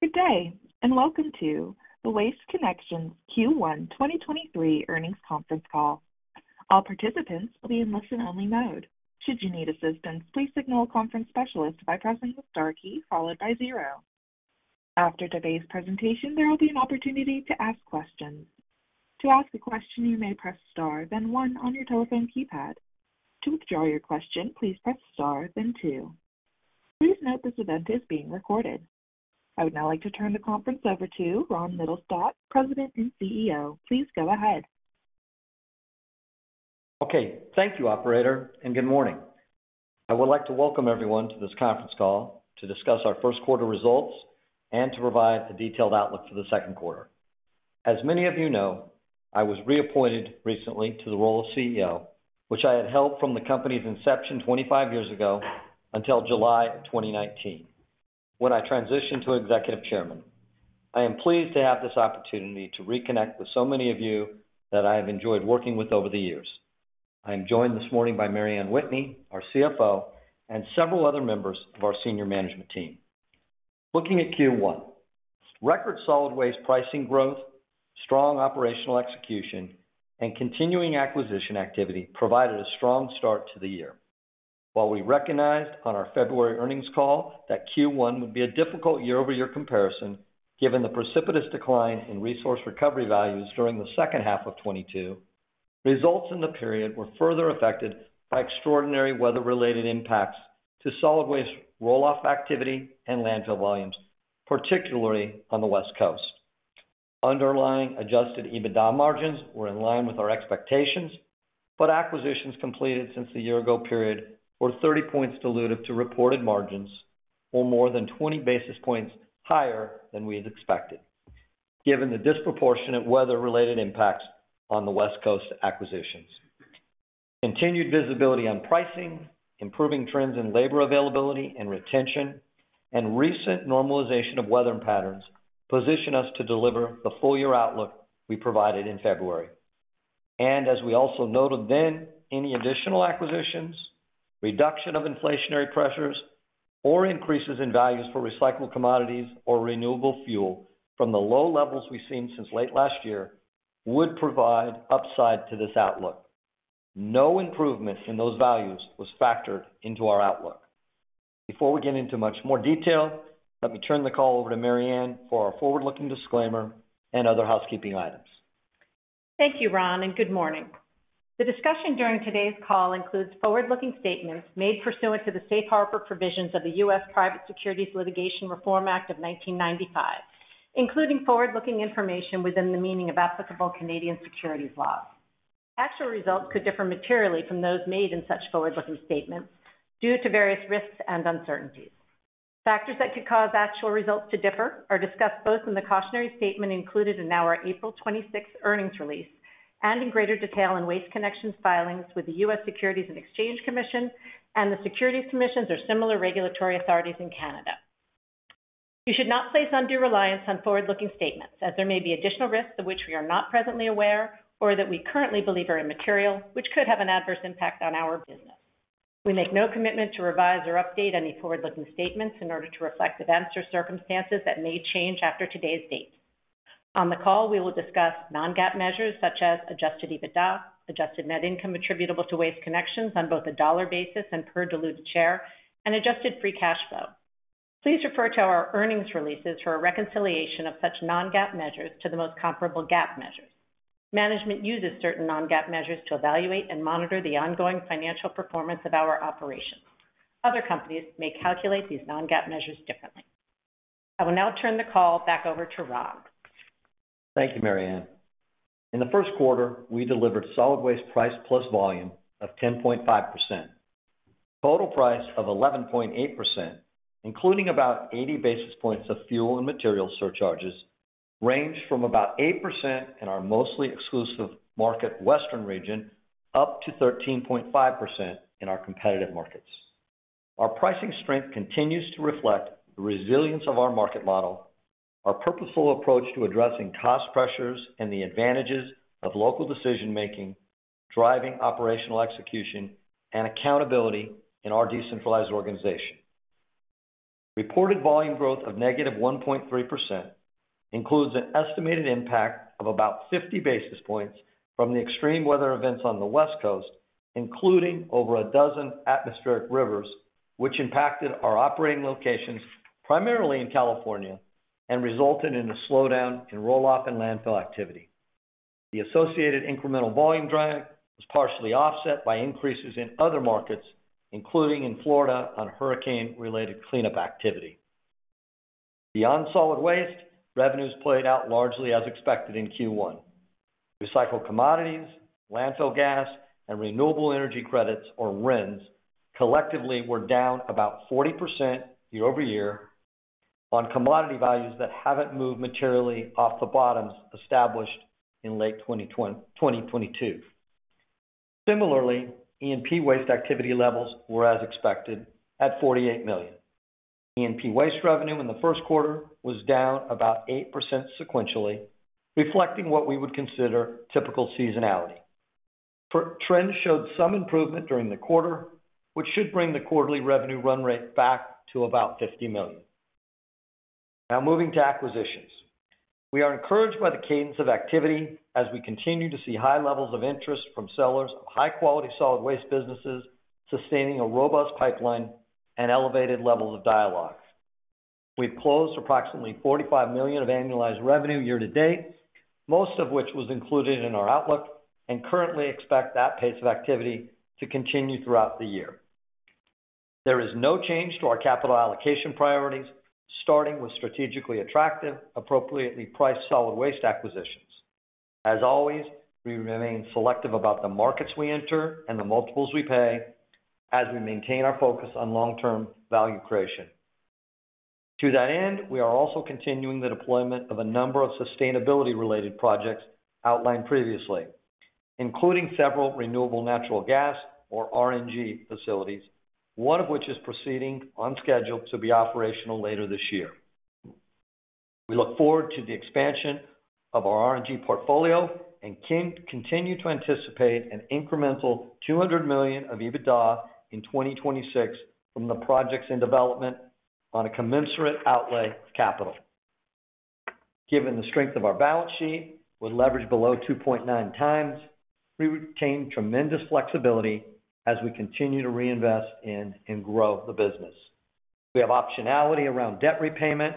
Good day. Welcome to the Waste Connections Q1 2023 earnings conference call. All participants will be in listen-only mode. Should you need assistance, please signal a conference specialist by pressing the star key followed by zero. After today's presentation, there will be an opportunity to ask questions. To ask a question, you may press star then one on your telephone keypad. To withdraw your question, please press star then two. Please note this event is being recorded. I would now like to turn the conference over to Ron Mittelstaedt, President and CEO. Please go ahead. Okay. Thank you, operator, and good morning. I would like to welcome everyone to this conference call to discuss our Q1 results and to provide a detailed outlook for the Q2. As many of you know, I was reappointed recently to the role of CEO, which I had held from the company's inception 25 years ago until July of 2019, when I transitioned to Executive Chairman. I am pleased to have this opportunity to reconnect with so many of you that I have enjoyed working with over the years. I am joined this morning by Mary Anne Whitney, our CFO, and several other members of our senior management team. Looking at Q1. Record solid waste pricing growth, strong operational execution, and continuing acquisition activity provided a strong start to the year. While we recognized on our February earnings call that Q1 would be a difficult year-over-year comparison, given the precipitous decline in resource recovery values during the H2 of 2022, results in the period were further affected by extraordinary weather-related impacts to solid waste roll-off activity and landfill volumes, particularly on the West Coast. Underlying adjusted EBITDA margins were in line with our expectations, but acquisitions completed since the year-ago period were 30 points dilutive to reported margins or more than 20 basis points higher than we had expected, given the disproportionate weather-related impacts on the West Coast acquisitions. Continued visibility on pricing, improving trends in labor availability and retention, and recent normalization of weather patterns position us to deliver the full-year outlook we provided in February. As we also noted then, any additional acquisitions, reduction of inflationary pressures, or increases in values for recycled commodities or renewable fuel from the low levels we've seen since late last year would provide upside to this outlook. No improvement in those values was factored into our outlook. Before we get into much more detail, let me turn the call over to Mary Anne for our forward-looking disclaimer and other housekeeping items. Thank you, Ron. Good morning. The discussion during today's call includes forward-looking statements made pursuant to the Safe Harbor Provisions of the U.S. Private Securities Litigation Reform Act of 1995, including forward-looking information within the meaning of applicable Canadian securities laws. Actual results could differ materially from those made in such forward-looking statements due to various risks and uncertainties. Factors that could cause actual results to differ are discussed both in the cautionary statement included in our April 26th earnings release and in greater detail in Waste Connections' filings with the U.S. Securities and Exchange Commission and the Securities Commissions or similar regulatory authorities in Canada. You should not place undue reliance on forward-looking statements as there may be additional risks of which we are not presently aware or that we currently believe are immaterial, which could have an adverse impact on our business. We make no commitment to revise or update any forward-looking statements in order to reflect events or circumstances that may change after today's date. On the call, we will discuss non-GAAP measures such as adjusted EBITDA, adjusted net income attributable to Waste Connections on both a dollar basis and per diluted share, and adjusted free cash flow. Please refer to our earnings releases for a reconciliation of such non-GAAP measures to the most comparable GAAP measures. Management uses certain non-GAAP measures to evaluate and monitor the ongoing financial performance of our operations. Other companies may calculate these non-GAAP measures differently. I will now turn the call back over to Ron. Thank you, Mary Anne. In the Q1, we delivered solid waste price plus volume of 10.5%. Total price of 11.8%, including about 80 basis points of fuel and material surcharges, ranged from about 8% in our mostly exclusive market Western region, up to 13.5% in our competitive markets. Our pricing strength continues to reflect the resilience of our market model, our purposeful approach to addressing cost pressures, and the advantages of local decision-making, driving operational execution and accountability in our decentralized organization. Reported volume growth of -1.3% includes an estimated impact of about 50 basis points from the extreme weather events on the West Coast, including over a dozen atmospheric rivers, which impacted our operating locations primarily in California and resulted in a slowdown in roll-off and landfill activity. The associated incremental volume drag was partially offset by increases in other markets, including in Florida on hurricane-related cleanup activity. Beyond solid waste, revenues played out largely as expected in Q1. Recycled commodities, landfill gas, and renewable energy credits, or RINs, collectively were down about 40% year-over-year on commodity values that haven't moved materially off the bottoms established in late 2022. Similarly, E&P waste activity levels were as expected at $48 million. E&P waste revenue in the Q1 was down about 8% sequentially, reflecting what we would consider typical seasonality. Trends showed some improvement during the quarter, which should bring the quarterly revenue run rate back to about $50 million. Moving to acquisitions. We are encouraged by the cadence of activity as we continue to see high levels of interest from sellers of high-quality solid waste businesses, sustaining a robust pipeline and elevated levels of dialogue. We've closed approximately $45 million of annualized revenue year-to-date, most of which was included in our outlook, and currently expect that pace of activity to continue throughout the year. There is no change to our capital allocation priorities, starting with strategically attractive, appropriately priced solid waste acquisitions. As always, we remain selective about the markets we enter and the multiples we pay as we maintain our focus on long-term value creation. To that end, we are also continuing the deployment of a number of sustainability-related projects outlined previously, including several renewable natural gas or RNG facilities, one of which is proceeding on schedule to be operational later this year. We look forward to the expansion of our RNG portfolio and continue to anticipate an incremental $200 million of EBITDA in 2026 from the projects in development on a commensurate outlay of capital. Given the strength of our balance sheet with leverage below 2.9 times, we retain tremendous flexibility as we continue to reinvest in and grow the business. We have optionality around debt repayment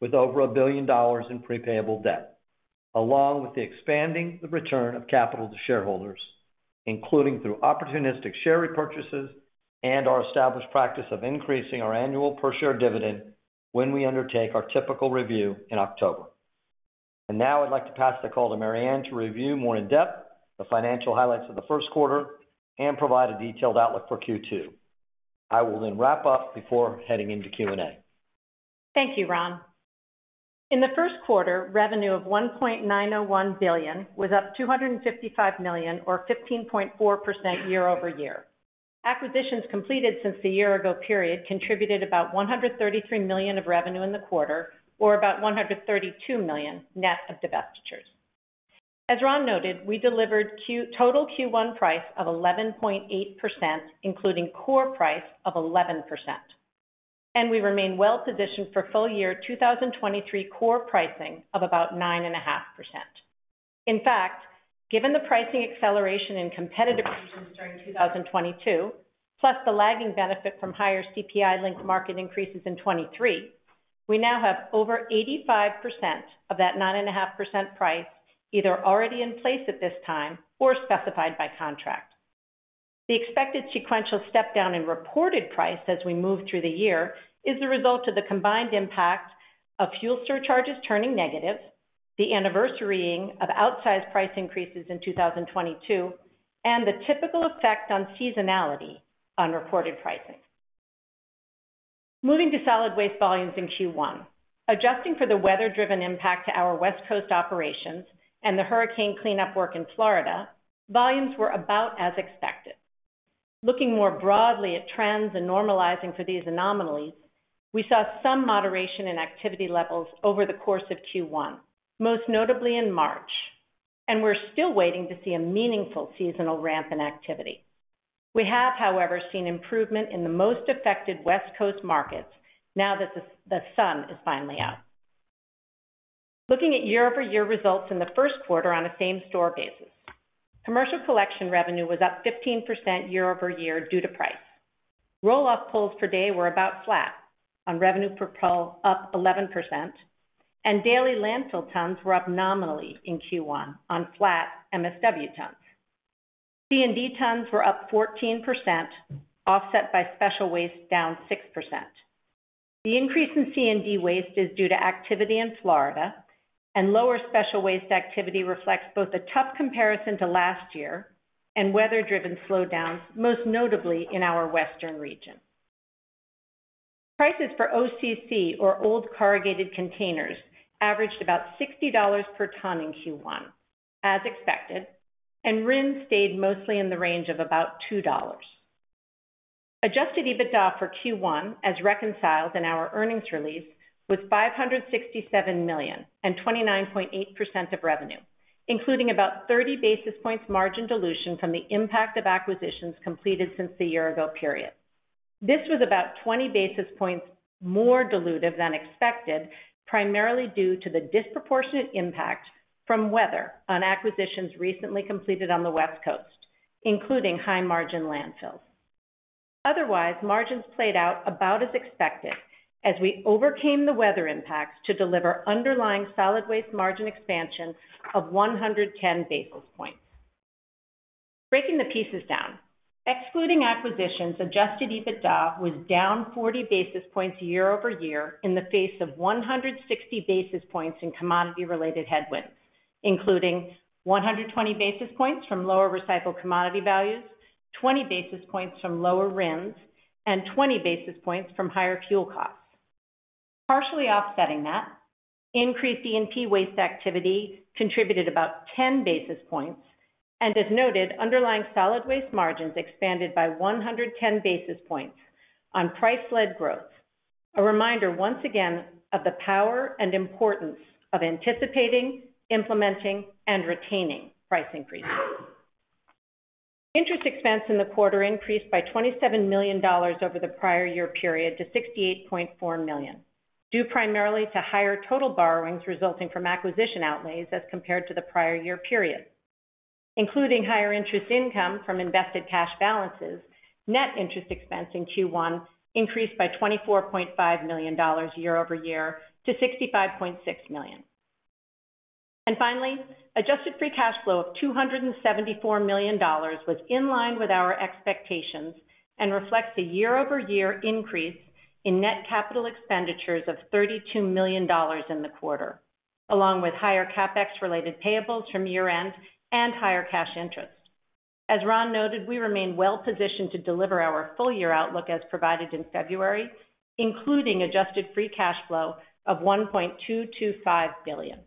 with over $1 billion in pre-payable debt, along with the expanding the return of capital to shareholders, including through opportunistic share repurchases and our established practice of increasing our annual per share dividend when we undertake our typical review in October. Now I'd like to pass the call to Mary Anne to review more in depth the financial highlights of the Q1 and provide a detailed outlook for Q2. I will wrap up before heading into Q&A. Thank you, Ron. In the Q1, revenue of $1.901 billion was up $255 million or 15.4% year-over-year. Acquisitions completed since the year ago period contributed about $133 million of revenue in the quarter, or about $132 million net of divestitures. As Ron noted, we delivered total Q1 price of 11.8%, including core price of 11%. We remain well-positioned for full year 2023 core pricing of about 9.5%. In fact, given the pricing acceleration in competitive regions during 2022, plus the lagging benefit from higher CPI-linked market increases in 2023, we now have over 85% of that 9.5% price either already in place at this time or specified by contract. The expected sequential step down in reported price as we move through the year is the result of the combined impact of fuel surcharges turning negative, the anniversaring of outsized price increases in 2022, and the typical effect on seasonality on reported pricing. Moving to solid waste volumes in Q1. Adjusting for the weather-driven impact to our West Coast operations and the hurricane cleanup work in Florida, volumes were about as expected. Looking more broadly at trends and normalizing for these anomalies, we saw some moderation in activity levels over the course of Q1, most notably in March. We're still waiting to see a meaningful seasonal ramp in activity. We have, however, seen improvement in the most affected West Coast markets now that the sun is finally out. Looking at year-over-year results in the Q1 on a same-store basis. Commercial collection revenue was up 15% year-over-year due to price. Roll-off pulls per day were about flat on revenue per pull up 11%, and daily landfill tons were up nominally in Q1 on flat MSW tons. C&D tons were up 14%, offset by special waste down 6%. The increase in C&D waste is due to activity in Florida and lower special waste activity reflects both a tough comparison to last year and weather-driven slowdowns, most notably in our Western region. Prices for OCC, or old corrugated containers, averaged about $60 per ton in Q1, as expected, and RIN stayed mostly in the range of about $2. Adjusted EBITDA for Q1, as reconciled in our earnings release, was $567 million and 29.8% of revenue, including about 30 basis points margin dilution from the impact of acquisitions completed since the year-ago period. This was about 20 basis points more dilutive than expected, primarily due to the disproportionate impact from weather on acquisitions recently completed on the West Coast, including high-margin landfills. Otherwise, margins played out about as expected as we overcame the weather impacts to deliver underlying solid waste margin expansion of 110 basis points. Breaking the pieces down. Excluding acquisitions, adjusted EBITDA was down 40 basis points year-over-year in the face of 160 basis points in commodity-related headwinds, including 120 basis points from lower recycled commodity values, 20 basis points from lower RINs, and 20 basis points from higher fuel costs. Partially offsetting that, increased C&D waste activity contributed about 10 basis points. As noted, underlying solid waste margins expanded by 110 basis points on price-led growth. A reminder once again of the power and importance of anticipating, implementing, and retaining price increases. Interest expense in the quarter increased by $27 million over the prior year period to $68.4 million, due primarily to higher total borrowings resulting from acquisition outlays as compared to the prior year period. Including higher interest income from invested cash balances, net interest expense in Q1 increased by $24.5 million year-over-year to $65.6 million. Finally, adjusted free cash flow of $274 million was in line with our expectations and reflects a year-over-year increase in net capital expenditures of $32 million in the quarter, along with higher CapEx related payables from year-end and higher cash interest. As Ron noted, we remain well positioned to deliver our full year outlook as provided in February, including adjusted free cash flow of $1.225 billion.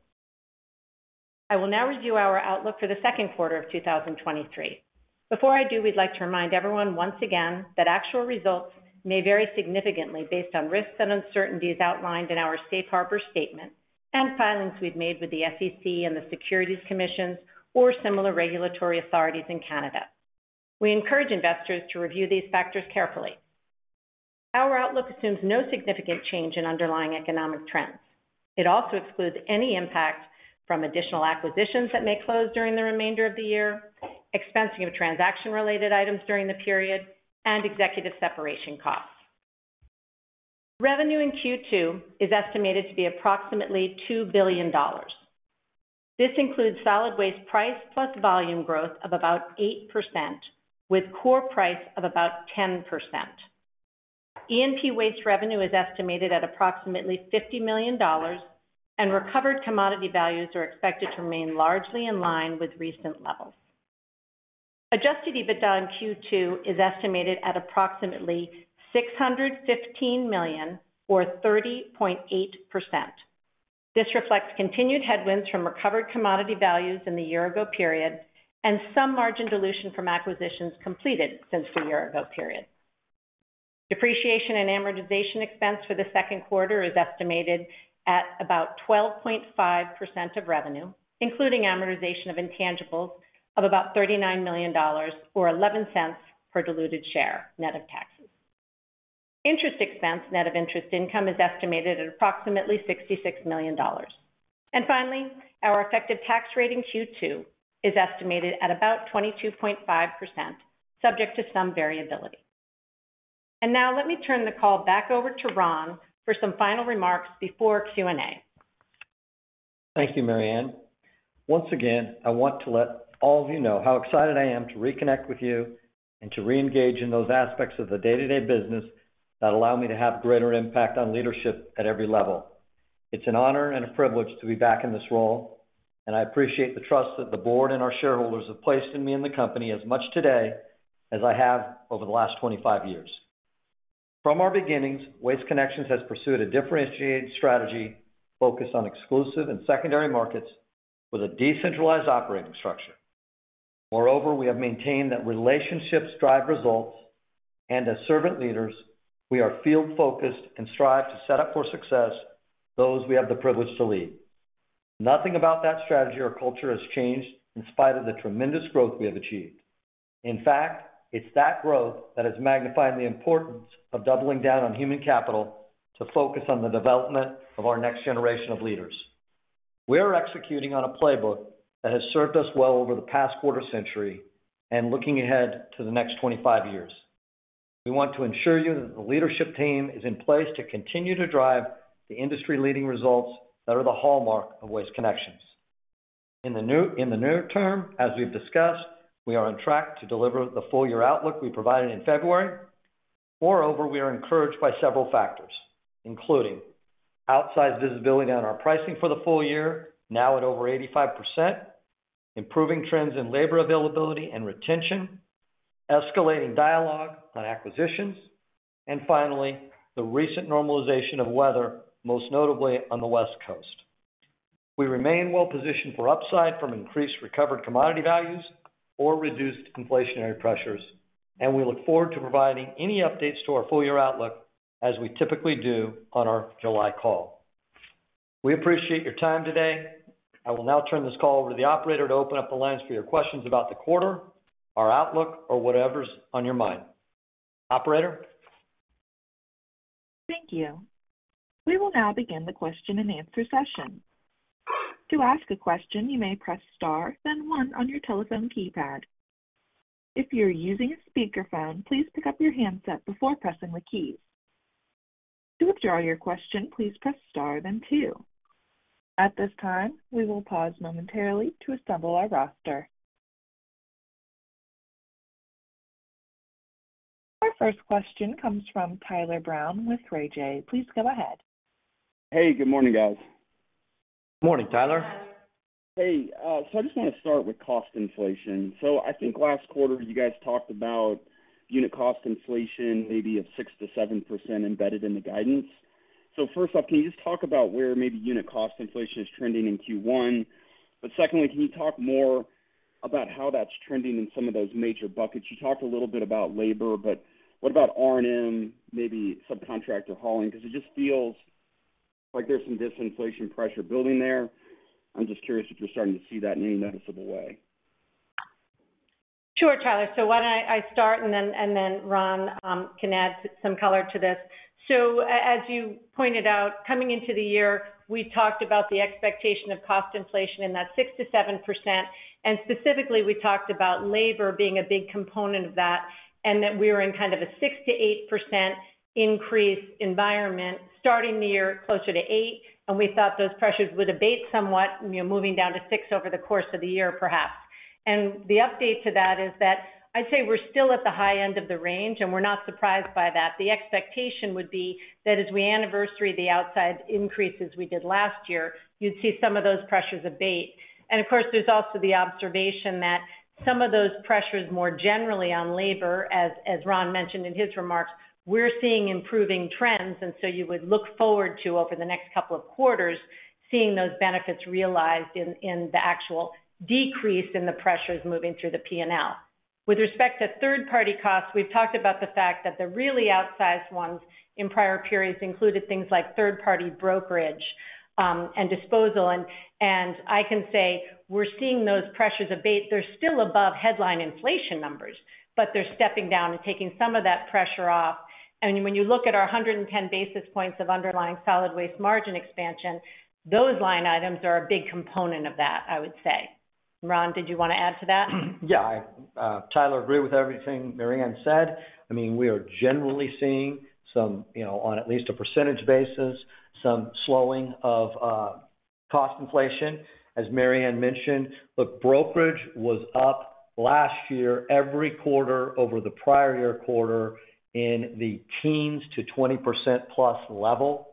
I will now review our outlook for the Q2 of 2023. Before I do, we'd like to remind everyone once again that actual results may vary significantly based on risks and uncertainties outlined in our safe harbor statement and filings we've made with the SEC and the securities commissions or similar regulatory authorities in Canada. We encourage investors to review these factors carefully. Our outlook assumes no significant change in underlying economic trends. It also excludes any impact from additional acquisitions that may close during the remainder of the year, expensing of transaction-related items during the period, and executive separation costs. Revenue in Q2 is estimated to be approximately $2 billion. This includes solid waste price plus volume growth of about 8% with core price of about 10%. E&P waste revenue is estimated at approximately $50 million, and recovered commodity values are expected to remain largely in line with recent levels. Adjusted EBITDA in Q2 is estimated at approximately $615 million or 30.8%. This reflects continued headwinds from recovered commodity values in the year ago period and some margin dilution from acquisitions completed since the year ago period. Depreciation and amortization expense for the Q2 is estimated at about 12.5% of revenue, including amortization of intangibles of about $39 million or $0.11 per diluted share net of taxes. Interest expense net of interest income is estimated at approximately $66 million. Finally, our effective tax rate in Q2 is estimated at about 22.5%, subject to some variability. Now let me turn the call back over to Ron for some final remarks before Q&A. Thank you, Mary Anne. Once again, I want to let all of you know how excited I am to reconnect with you and to reengage in those aspects of the day-to-day business that allow me to have greater impact on leadership at every level. It's an honor and a privilege to be back in this role, and I appreciate the trust that the board and our shareholders have placed in me and the company as much today as I have over the last 25 years. From our beginnings, Waste Connections has pursued a differentiated strategy focused on exclusive and secondary markets with a decentralized operating structure. Moreover, we have maintained that relationships drive results, and as servant leaders, we are field-focused and strive to set up for success those we have the privilege to lead. Nothing about that strategy or culture has changed in spite of the tremendous growth we have achieved. In fact, it's that growth that has magnified the importance of doubling down on human capital to focus on the development of our next generation of leaders. We are executing on a playbook that has served us well over the past quarter century and looking ahead to the next 25 years. We want to ensure you that the leadership team is in place to continue to drive the industry-leading results that are the hallmark of Waste Connections. In the near term, as we've discussed, we are on track to deliver the full year outlook we provided in February. Moreover, we are encouraged by several factors, including outsized visibility on our pricing for the full year, now at over 85%, improving trends in labor availability and retention, escalating dialogue on acquisitions, and finally, the recent normalization of weather, most notably on the West Coast. We remain well positioned for upside from increased recovered commodity values or reduced inflationary pressures, and we look forward to providing any updates to our full year outlook as we typically do on our July call. We appreciate your time today. I will now turn this call over to the operator to open up the lines for your questions about the quarter, our outlook, or whatever's on your mind. Operator? Thank you. We will now begin the question-and-answer session. To ask a question, you may press star, then one on your telephone keypad. If you're using a speakerphone, please pick up your handset before pressing the keys. To withdraw your question, please press star then two. At this time, we will pause momentarily to assemble our roster. Our first question comes from Tyler Brown with Raymond James. Please go ahead. Hey, good morning, guys. Morning, Tyler. Hey, so I just want to start with cost inflation. I think last quarter you guys talked about unit cost inflation maybe of 6%-7% embedded in the guidance. First off, can you just talk about where maybe unit cost inflation is trending in Q1? Secondly, can you talk more about how that's trending in some of those major buckets? You talked a little bit about labor, but what about R&M, maybe subcontractor hauling? It just feels like there's some disinflation pressure building there. I'm just curious if you're starting to see that in any noticeable way. Sure, Tyler. Why don't I start and then Ron can add some color to this. As you pointed out, coming into the year, we talked about the expectation of cost inflation in that 6%-7%. Specifically, we talked about labor being a big component of that, and that we were in kind of a 6%-8% increase environment starting the year closer to 8%, and we thought those pressures would abate somewhat, you know, moving down to 6% over the course of the year, perhaps. The update to that is that I'd say we're still at the high end of the range, and we're not surprised by that. The expectation would be that as we anniversary the outside increases we did last year, you'd see some of those pressures abate. Of course, there's also the observation that some of those pressures more generally on labor, as Ron mentioned in his remarks, we're seeing improving trends, and so you would look forward to, over the next couple of quarters, seeing those benefits realized in the actual decrease in the pressures moving through the P&L. With respect to third-party costs, we've talked about the fact that the really outsized ones in prior periods included things like third party brokerage and disposal. I can say we're seeing those pressures abate. They're still above headline inflation numbers, but they're stepping down and taking some of that pressure off. When you look at our 110 basis points of underlying solid waste margin expansion, those line items are a big component of that, I would say. Ron, did you wanna add to that? Yeah. I, Tyler, agree with everything Mary Anne said. I mean, we are generally seeing some, you know, on at least a percentage basis, some slowing of cost inflation, as Mary Anne mentioned. Look, brokerage was up last year every quarter over the prior year quarter in the teens to 20% plus level.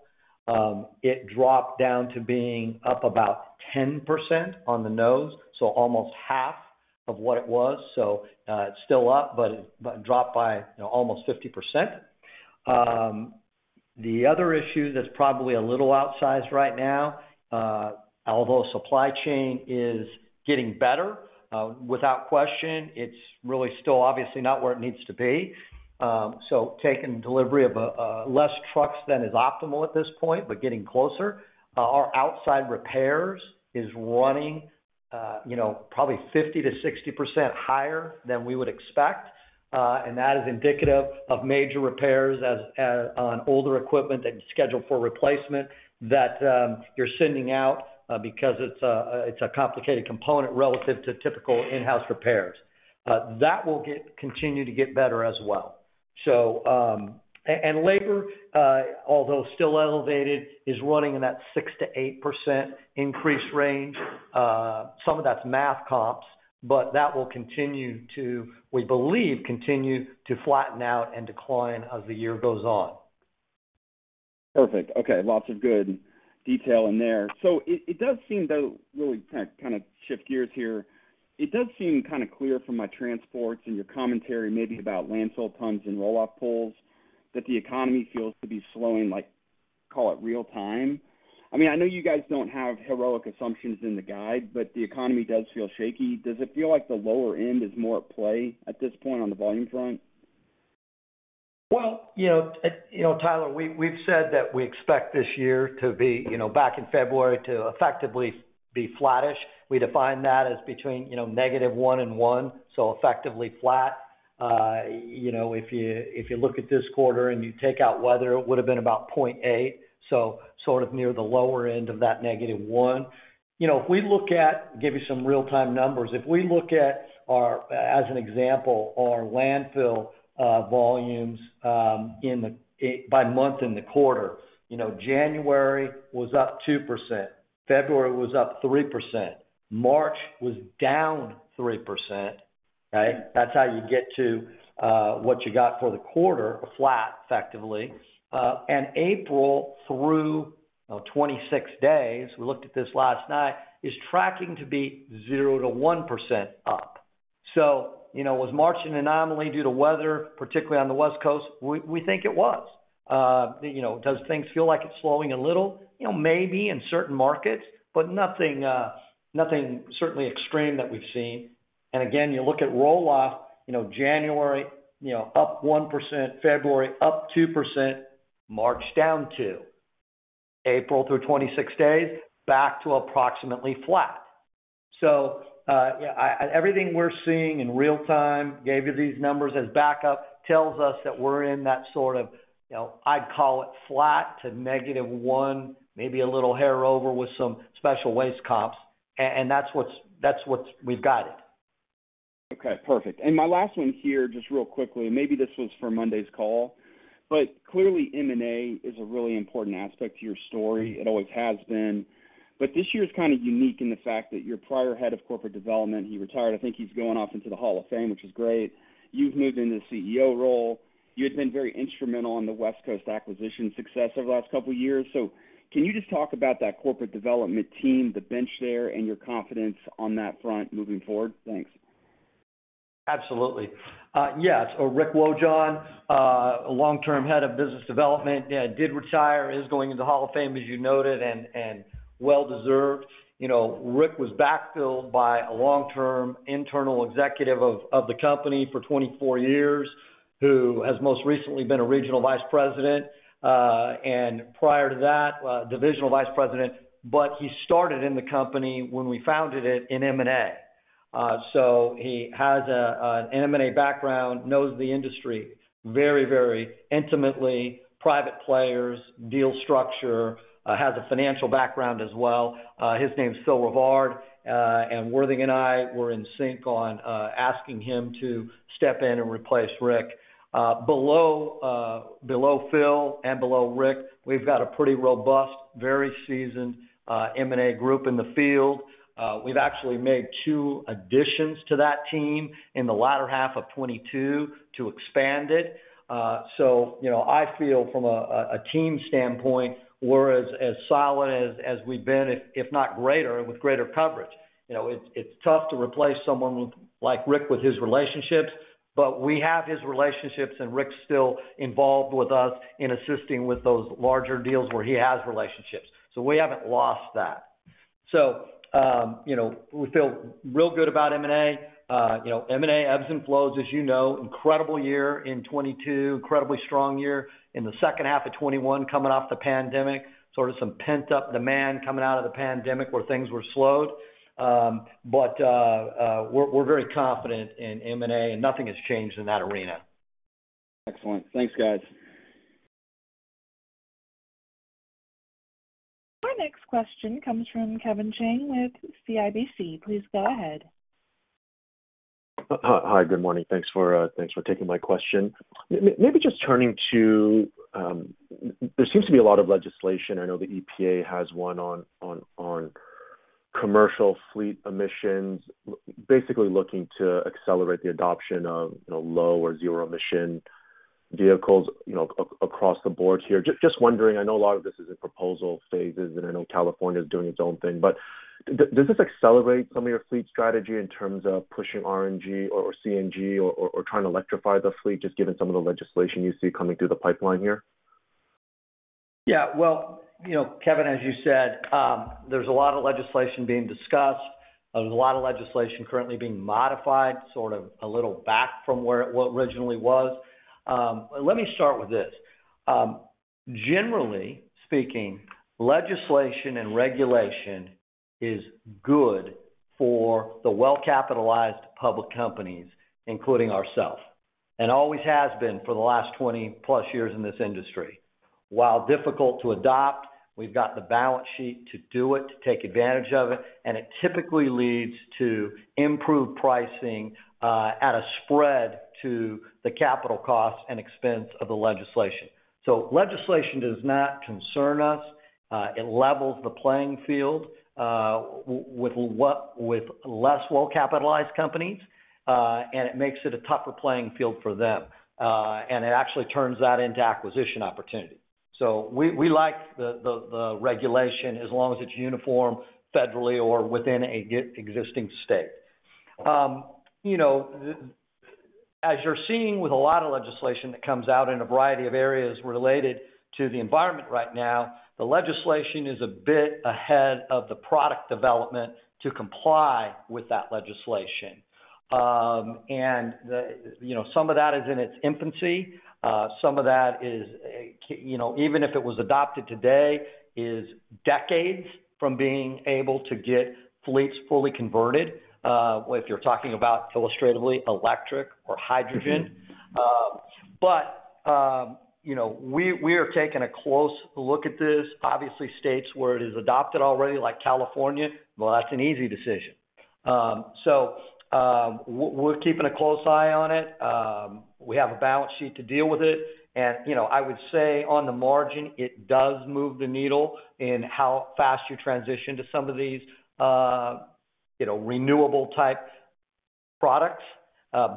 It dropped down to being up about 10% on the nose, almost half of what it was. It's still up, but it dropped by, you know, almost 50%. The other issue that's probably a little outsized right now, although supply chain is getting better, without question, it's really still obviously not where it needs to be. Taking delivery of less trucks than is optimal at this point, but getting closer. Our outside repairs is running, you know, probably 50%-60% higher than we would expect, that is indicative of major repairs as on older equipment that you schedule for replacement that you're sending out because it's a complicated component relative to typical in-house repairs. That will continue to get better as well. Labor, although still elevated, is running in that 6%-8% increase range. Some of that's math comps, that will continue to, we believe, continue to flatten out and decline as the year goes on. Perfect. Okay. Lots of good detail in there. It, it does seem, though, really, kinda shift gears here. It does seem kinda clear from my transcripts and your commentary maybe about landfill tons and roll-off pulls that the economy feels to be slowing, like, call it real time. I mean, I know you guys don't have heroic assumptions in the guide, but the economy does feel shaky. Does it feel like the lower end is more at play at this point on the volume front? Well, you know, you know, Tyler, we've said that we expect this year to be, you know, back in February, to effectively be flattish. We define that as between, you know, -1 and 1, so effectively flat. You know, if you, if you look at this quarter and you take out weather, it would've been about 0.8, so sort of near the lower end of that -1. You know, if we look at, give you some real-time numbers, if we look at our, as an example, our landfill volumes, by month in the quarter, you know, January was up 2%. February was up 3%. March was down 3%. Okay? That's how you get to what you got for the quarter, flat effectively. April through, well, 26 days, we looked at this last night, is tracking to be 0%-1% up. You know, was March an anomaly due to weather, particularly on the West Coast? We think it was. You know, does things feel like it's slowing a little? You know, maybe in certain markets, but nothing certainly extreme that we've seen. Again, you look at roll-off, you know, January, you know, up 1%, February up 2%, March down 2. April through 26 days, back to approximately flat. Yeah, I... everything we're seeing in real time, gave you these numbers as backup, tells us that we're in that sort of, you know, I'd call it flat to -1, maybe a little hair over with some special waste comps. That's what's... we've got it. Okay. Perfect. My last one here, just real quickly, maybe this was for Monday's call, but clearly M&A is a really important aspect to your story. It always has been. This year is kind of unique in the fact that your prior head of corporate development, he retired. I think he's going off into the Hall of Fame, which is great. You've moved into the CEO role. You had been very instrumental in the West Coast acquisition success over the last couple years. Can you just talk about that corporate development team, the bench there, and your confidence on that front moving forward? Thanks. Yes. Rick Wojahn, a long-term head of business development, did retire, is going into Hall of Fame, as you noted, and well-deserved. You know, Rick was backfilled by a long-term internal executive of the company for 24 years, who has most recently been a regional Vice President. Prior to that, Divisional Vice President. He started in the company when we founded it in M&A. He has an M&A background, knows the industry very intimately. Private players, deal structure, has a financial background as well. His name is Phil Rivard. Worthing and I were in sync on asking him to step in and replace Rick. Below, below Phil and below Rick, we've got a pretty robust, very seasoned M&A group in the field. We've actually made two additions to that team in the latter half of 2022 to expand it. You know, I feel from a team standpoint, we're as solid as we've been, if not greater, with greater coverage. You know, it's tough to replace someone like Rick with his relationships, but we have his relationships, and Rick's still involved with us in assisting with those larger deals where he has relationships. We haven't lost that. You know, we feel real good about M&A. You know, M&A ebbs and flows, as you know. Incredible year in 2022. Incredibly strong year in the H2 of 2021, coming off the pandemic, sort of some pent-up demand coming out of the pandemic where things were slowed. We're very confident in M&A and nothing has changed in that arena. Excellent. Thanks, guys. Our next question comes from Kevin Chiang with CIBC. Please go ahead. Hi. Good morning. Thanks for thanks for taking my question. Maybe just turning to, there seems to be a lot of legislation. I know the EPA has one on commercial fleet emissions, basically looking to accelerate the adoption of, you know, low or zero emission vehicles, you know, across the board here. Just wondering, I know a lot of this is in proposal phases, and I know California is doing its own thing. Does this accelerate some of your fleet strategy in terms of pushing RNG or CNG or trying to electrify the fleet, just given some of the legislation you see coming through the pipeline here? Well, you know, Kevin, as you said, there's a lot of legislation being discussed. There's a lot of legislation currently being modified, sort of a little back from where it originally was. Let me start with this. Generally speaking, legislation and regulation is good for the well-capitalized public companies, including ourselves, and always has been for the last 20-plus years in this industry. While difficult to adopt, we've got the balance sheet to do it, to take advantage of it, and it typically leads to improved pricing, at a spread to the capital cost and expense of the legislation. Legislation does not concern us. It levels the playing field, with less well-capitalized companies, and it makes it a tougher playing field for them. It actually turns that into acquisition opportunity. We like the regulation as long as it's uniform federally or within a existing state. You know, as you're seeing with a lot of legislation that comes out in a variety of areas related to the environment right now, the legislation is a bit ahead of the product development to comply with that legislation. You know, some of that is in its infancy. Some of that is, you know, even if it was adopted today, is decades from being able to get fleets fully converted, if you're talking about illustratively electric or hydrogen. You know, we are taking a close look at this. Obviously, states where it is adopted already, like California, well, that's an easy decision. We're keeping a close eye on it. We have a balance sheet to deal with it. You know, I would say on the margin, it does move the needle in how fast you transition to some of these, you know, renewable type products,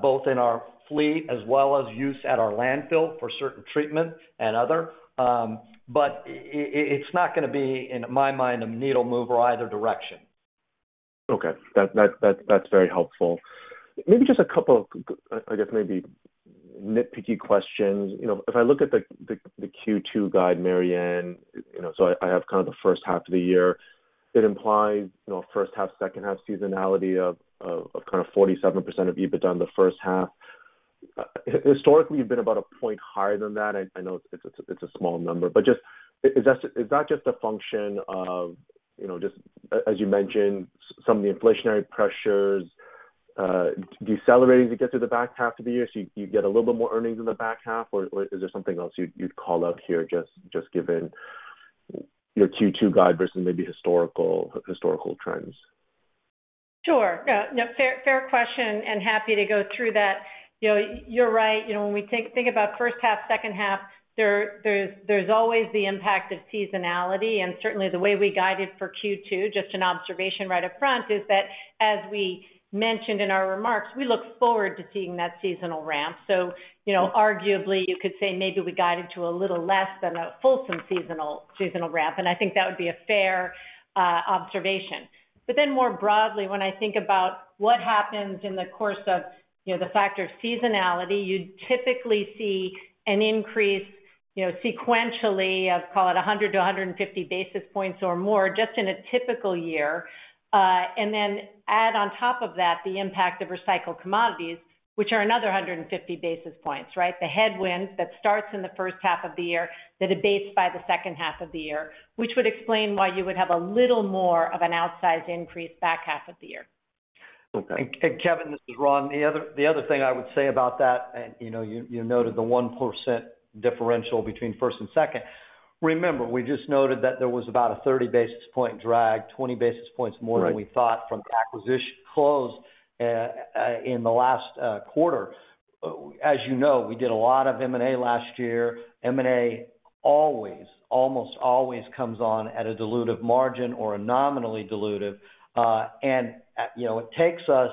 both in our fleet as well as use at our landfill for certain treatment and other. It's not gonna be, in my mind, a needle mover either direction. Okay. That's very helpful. Maybe just a couple of I guess maybe nitpicky questions. You know, if I look at the Q2 guide, Mary Anne, you know, so I have kind of the H1 of the year. It implies, you know, H1, H2 seasonality of kind of 47% of EBITDA in the H1. Historically, you've been about a point higher than that. I know it's a small number, but just Is that just a function of, you know, just as you mentioned, some of the inflationary pressures, decelerating to get to the back half of the year, so you get a little bit more earnings in the back half? Or, or is there something else you'd call out here, just given your Q2 guide versus maybe historical trends? Sure. Yeah. Fair question, happy to go through that. You know, you're right. You know, when we think about H1, H2, there's always the impact of seasonality. Certainly, the way we guided for Q2, just an observation right up front, is that, as we mentioned in our remarks, we look forward to seeing that seasonal ramp. You know, arguably, you could say maybe we guided to a little less than a fulsome seasonal ramp, and I think that would be a fair observation. More broadly, when I think about what happens in the course of, you know, the factor of seasonality, you typically see an increase, you know, sequentially of, call it, 100 to 150 basis points or more just in a typical year. Add on top of that the impact of recycled commodities, which are another 150 basis points, right? The headwind that starts in the H1 of the year, that abates by the H2 of the year, which would explain why you would have a little more of an outsized increase back half of the year. Kevin, this is Ron. The other thing I would say about that, and, you know, you noted the 1% differential between first and second. Remember, we just noted that there was about a 30 basis point drag, 20 basis points more than we thought from the acquisition close in the last quarter. As you know, we did a lot of M&A last year. M&A almost always comes on at a dilutive margin or a nominally dilutive, and at, you know, it takes us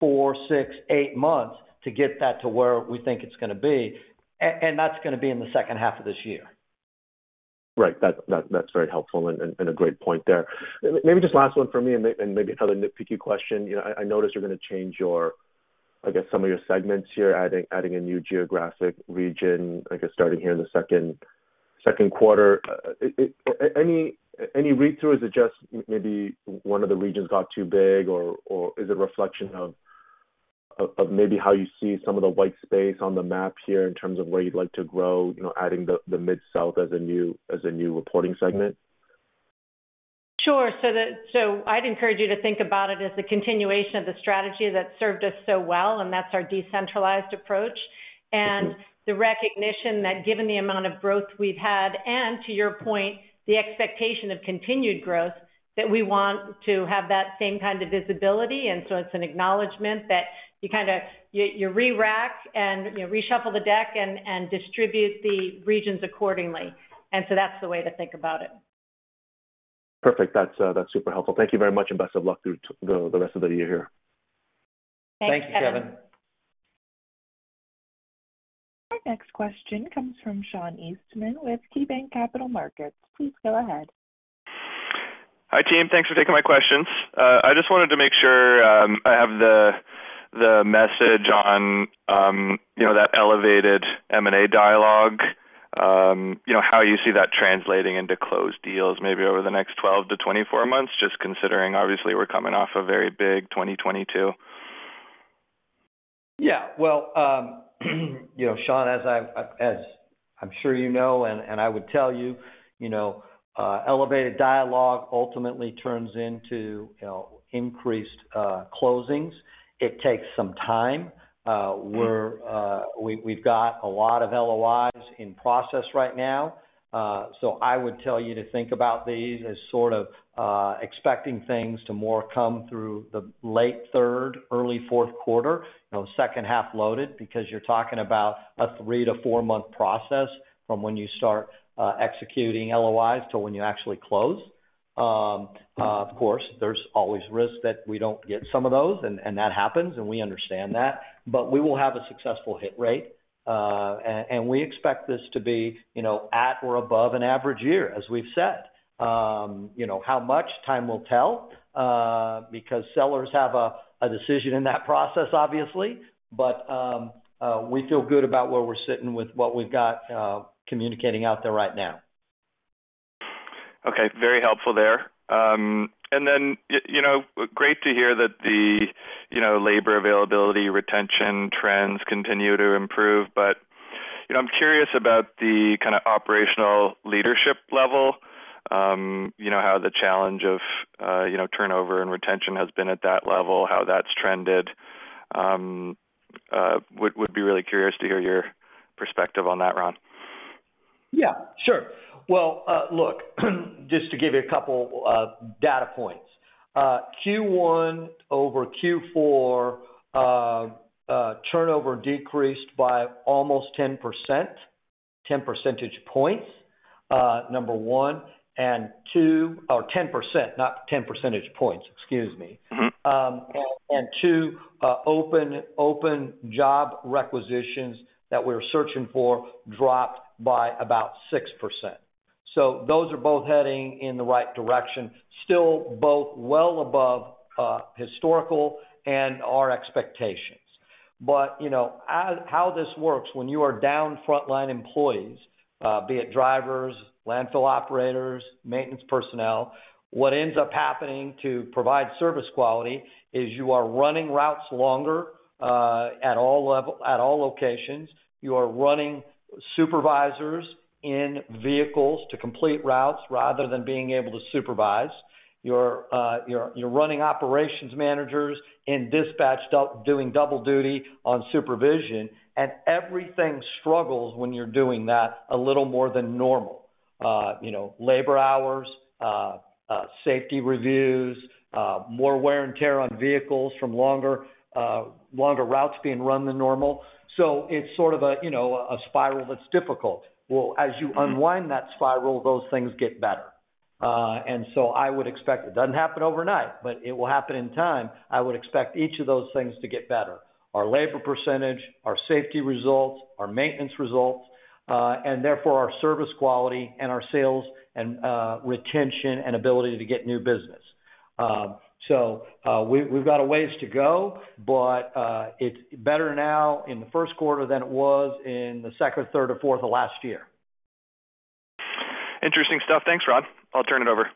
4, 6, 8 months to get that to where we think it's gonna be. That's gonna be in the H2 of this year. Right. That's very helpful and a great point there. Maybe just last one for me and maybe another nitpicky question. You know, I notice you're gonna change your, I guess, some of your segments here, adding a new geographic region, I guess, starting here in the Q2. Any read-through? Is it just maybe one of the regions got too big or is it a reflection of maybe how you see some of the white space on the map here in terms of where you'd like to grow, you know, adding the Mid-South as a new reporting segment? Sure. I'd encourage you to think about it as a continuation of the strategy that served us so well, and that's our decentralized approach. Okay. The recognition that given the amount of growth we've had, and to your point, the expectation of continued growth, that we want to have that same kind of visibility. So it's an acknowledgement that you kinda, You re-rack and, you know, reshuffle the deck and distribute the regions accordingly. So that's the way to think about it. Perfect. That's super helpful. Thank you very much. Best of luck through the rest of the year here. Thanks, Kevin. Thanks, Kevin. Our next question comes from Sean Eastman with KeyBanc Capital Markets. Please go ahead. Hi, team. Thanks for taking my questions. I just wanted to make sure, I have the message on, you know, that elevated M&A dialogue, you know, how you see that translating into closed deals maybe over the next 12-24 months, just considering obviously we're coming off a very big 2022. Yeah. Well, you know, Sean, as I'm sure you know and I would tell you know, elevated dialogue ultimately turns into, you know, increased closings. It takes some time. We've got a lot of LOIs in process right now. So I would tell you to think about these as sort of expecting things to more come through the late third, early fourth quarter, you know, H2 loaded because you're talking about a 3-4 month process from when you start executing LOIs to when you actually close. Of course, there's always risk that we don't get some of those and that happens, and we understand that. We will have a successful hit rate, and we expect this to be, you know, at or above an average year, as we've said. You know, how much? Time will tell, because sellers have a decision in that process, obviously. We feel good about where we're sitting with what we've got, communicating out there right now. Okay, very helpful there. You know, great to hear that the, you know, labor availability, retention trends continue to improve. You know, I'm curious about the kinda operational leadership level, you know, how the challenge of, you know, turnover and retention has been at that level, how that's trended. Would be really curious to hear your perspective on that, Ron? Yeah, sure. Well, look, just to give you a couple of data points. Q1 over Q4, turnover decreased by almost 10%, 10 percentage points, number 1. 2. Or 10%, not 10 percentage points, excuse me. 2, open job requisitions that we're searching for dropped by about 6%. Those are both heading in the right direction. Still both well above historical and our expectations. You know, as how this works, when you are down frontline employees, be it drivers, landfill operators, maintenance personnel, what ends up happening to provide service quality is you are running routes longer, at all level, at all locations. You are running supervisors in vehicles to complete routes rather than being able to supervise. You're running operations managers in dispatch doing double duty on supervision, and everything struggles when you're doing that a little more than normal. You know, labor hours, safety reviews, more wear and tear on vehicles from longer routes being run than normal. It's sort of a, you know, a spiral that's difficult. As you unwind that spiral, those things get better. I would expect... It doesn't happen overnight, but it will happen in time. I would expect each of those things to get better. Our labor percentage, our safety results, our maintenance results, and therefore our service quality and our sales and retention and ability to get new business. We've got a ways to go, it's better now in the Q1 than it was in the second, third, or fourth of last year. Interesting stuff. Thanks, Ron. I'll turn it over.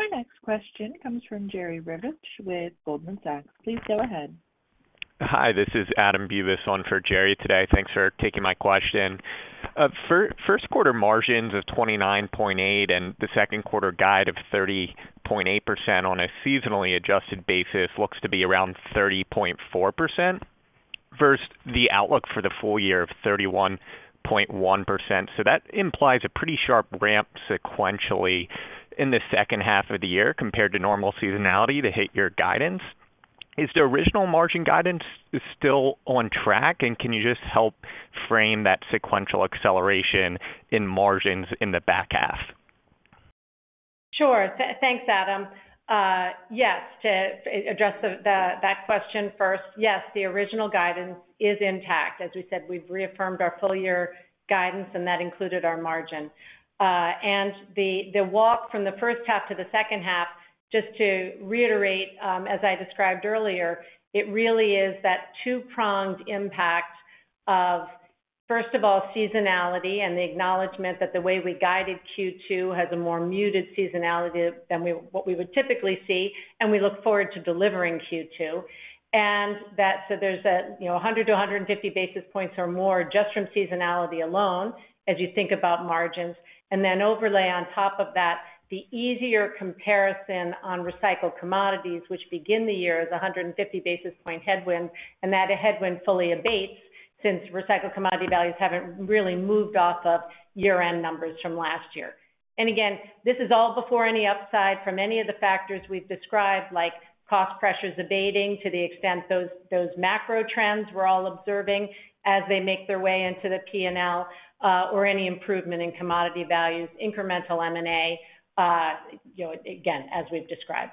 Our next question comes from Jerry Revich with Goldman Sachs. Please go ahead. Hi, this is Adam Bubes on for Jerry Revich today. Thanks for taking my question. Q1 margins of 29.8 and the Q2 guide of 30.8% on a seasonally adjusted basis looks to be around 30.4% versus the outlook for the full year of 31.1%. That implies a pretty sharp ramp sequentially in the H2 of the year compared to normal seasonality to hit your guidance. Is the original margin guidance still on track, and can you just help frame that sequential acceleration in margins in the back half? Sure. Thanks, Adam. Yes, to address that question first, yes, the original guidance is intact. As we said, we've reaffirmed our full year guidance and that included our margin. The, the walk from the H1 to the H2, just to reiterate, as I described earlier, it really is that two-pronged impact of, first of all, seasonality and the acknowledgement that the way we guided Q2 has a more muted seasonality than what we would typically see, and we look forward to delivering Q2. So there's a, you know, 100-150 basis points or more just from seasonality alone as you think about margins. Then overlay on top of that, the easier comparison on recycled commodities, which begin the year as a 150 basis point headwind, and that headwind fully abates since recycled commodity values haven't really moved off of year-end numbers from last year. Again, this is all before any upside from any of the factors we've described, like cost pressures abating to the extent those macro trends we're all observing as they make their way into the P&L, or any improvement in commodity values, incremental M&A, you know, again, as we've described.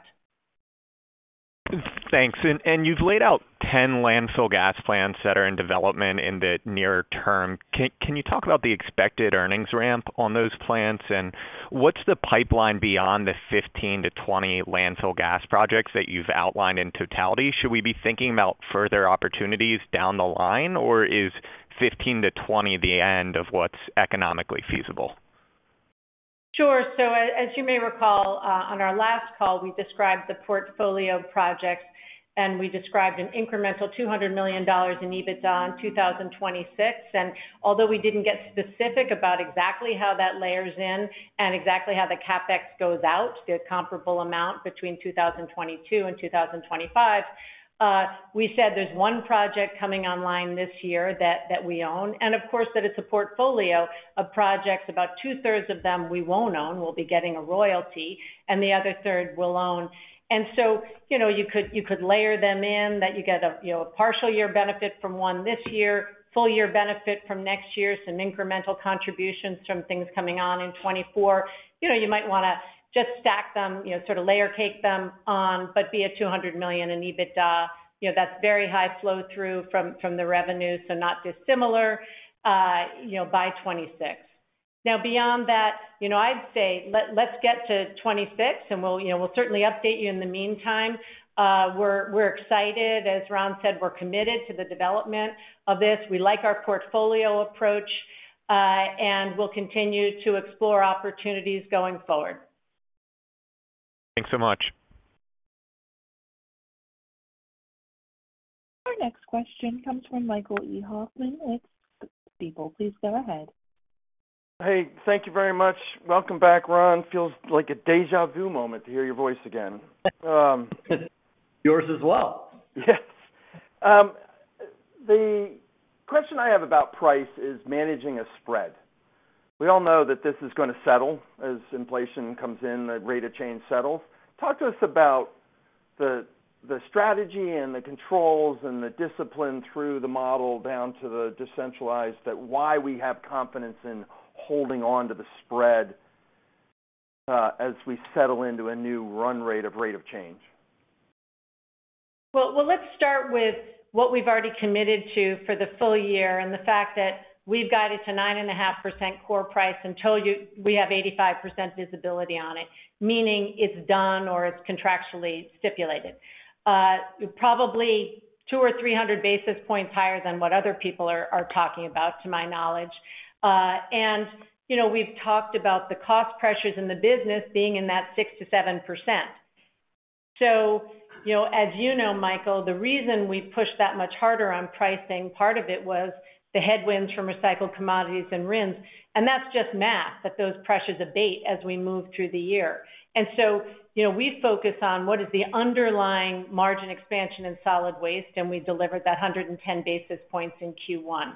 Thanks. You've laid out 10 landfill gas plants that are in development in the near term. Can you talk about the expected earnings ramp on those plants, and what's the pipeline beyond the 15-20 landfill gas projects that you've outlined in totality? Should we be thinking about further opportunities down the line, or is 15-20 the end of what's economically feasible? Sure. As you may recall, on our last call, we described the portfolio of projects, and we described an incremental $200 million in EBITDA in 2026. Although we didn't get specific about exactly how that layers in and exactly how the CapEx goes out, the comparable amount between 2022 and 2025, we said there's one project coming online this year that we own. Of course, that it's a portfolio of projects. About two-thirds of them we won't own. We'll be getting a royalty, and the other third we'll own. You know, you could layer them in that you get, you know, a partial year benefit from one this year, full year benefit from next year, some incremental contributions from things coming on in 2024. You know, you might wanna just stack them, you know, sort of layer cake them on, but be at $200 million in EBITDA. You know, that's very high flow through from the revenue, so not dissimilar, you know, by 2026. Beyond that, you know, I'd say let's get to 2026 and we'll, you know, we'll certainly update you in the meantime. We're, we're excited. As Ron said, we're committed to the development of this. We like our portfolio approach, and we'll continue to explore opportunities going forward. Thanks so much. Our next question comes from Michael E. Hoffman with Stifel. Please go ahead. Hey, thank you very much. Welcome back, Ron. Feels like a deja vu moment to hear your voice again. Yours as well. Yes. The question I have about price is managing a spread. We all know that this is gonna settle as inflation comes in, the rate of change settles. Talk to us about the strategy and the controls and the discipline through the model down to the decentralized, why we have confidence in holding on to the spread, as we settle into a new run rate of rate of change. Well, let's start with what we've already committed to for the full year and the fact that we've guided to 9.5% core price and told you we have 85% visibility on it, meaning it's done or it's contractually stipulated. Probably 200 or 300 basis points higher than what other people are talking about, to my knowledge. You know, we've talked about the cost pressures in the business being in that 6%-7%. You know, Michael, the reason we pushed that much harder on pricing, part of it was the headwinds from recycled commodities and RINs, and that's just math, that those pressures abate as we move through the year. You know, we focus on what is the underlying margin expansion in solid waste, and we delivered that 110 basis points in Q1.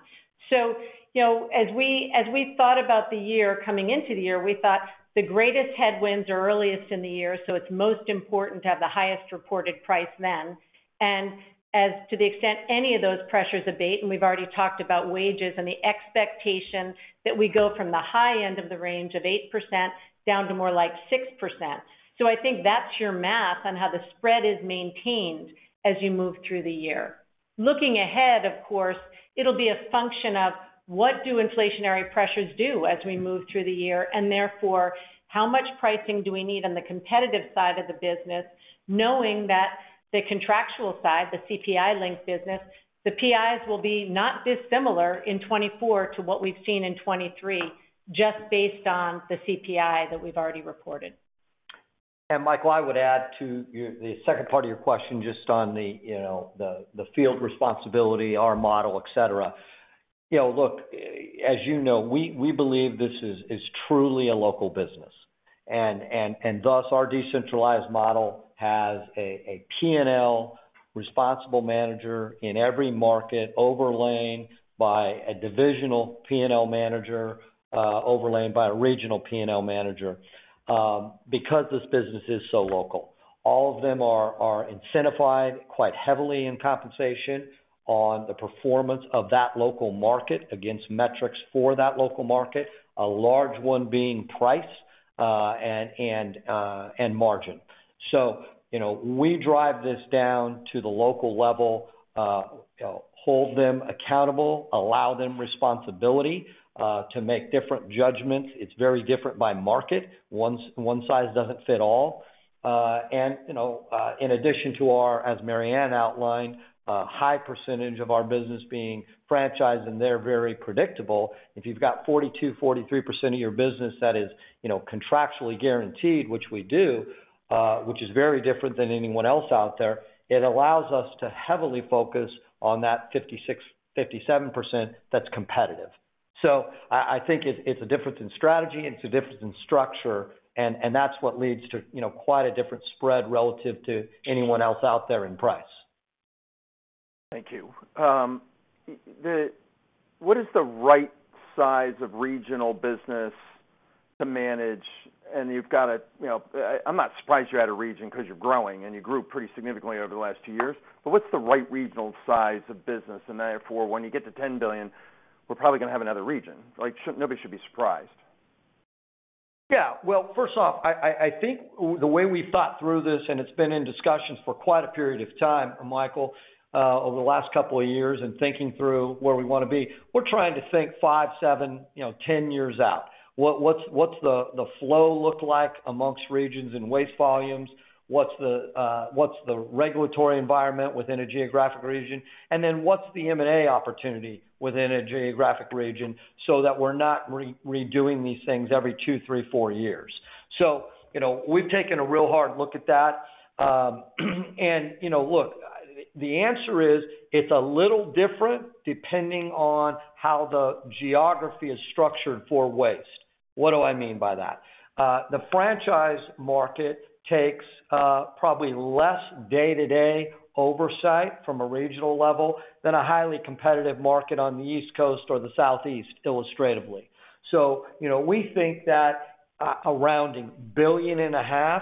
You know, as we thought about the year coming into the year, we thought the greatest headwinds are earliest in the year, so it's most important to have the highest reported price then. As to the extent any of those pressures abate, and we've already talked about wages and the expectation that we go from the high end of the range of 8% down to more like 6%. I think that's your math on how the spread is maintained as you move through the year. Looking ahead, of course, it'll be a function of what do inflationary pressures do as we move through the year, and therefore, how much pricing do we need on the competitive side of the business, knowing that the contractual side, the CPI-linked business, the PIs will be not dissimilar in 2024 to what we've seen in 2023, just based on the CPI that we've already reported. Michael, I would add to the second part of your question, just on the, you know, field responsibility, our model, et cetera. You know, look, as you know, we believe this is truly a local business. Thus, our decentralized model has a P&L responsible manager in every market, overlain by a divisional P&L manager, overlain by a regional P&L manager, because this business is so local. All of them are incentivized quite heavily in compensation on the performance of that local market against metrics for that local market, a large one being price, and margin. You know, we drive this down to the local level, you know, hold them accountable, allow them responsibility to make different judgments. It's very different by market. One size doesn't fit all. You know, in addition to our, as Mary Anne outlined, high percentage of our business being franchised, and they're very predictable. If you've got 42%-43% of your business that is, you know, contractually guaranteed, which we do, which is very different than anyone else out there, it allows us to heavily focus on that 56%-57% that's competitive. I think it's a difference in strategy, it's a difference in structure, and that's what leads to, you know, quite a different spread relative to anyone else out there in price. Thank you. What is the right size of regional business to manage? You've got a, you know, I'm not surprised you had a region because you're growing, and you grew pretty significantly over the last two years. What's the right regional size of business? Therefore, when you get to $10 billion, we're probably gonna have another region. Like, nobody should be surprised. Yeah. Well, first off, I think the way we thought through this, it's been in discussions for quite a period of time, Michael, over the last couple of years in thinking through where we wanna be, we're trying to think 5, 7, you know, 10 years out. What's the flow look like amongst regions and waste volumes? What's the regulatory environment within a geographic region? What's the M&A opportunity within a geographic region so that we're not redoing these things every 2, 3, 4 years? You know, we've taken a real hard look at that. You know, look, the answer is, it's a little different depending on how the geography is structured for waste. What do I mean by that? The franchise market takes probably less day-to-day oversight from a regional level than a highly competitive market on the East Coast or the Southeast, illustratively. You know, we think that around $1.5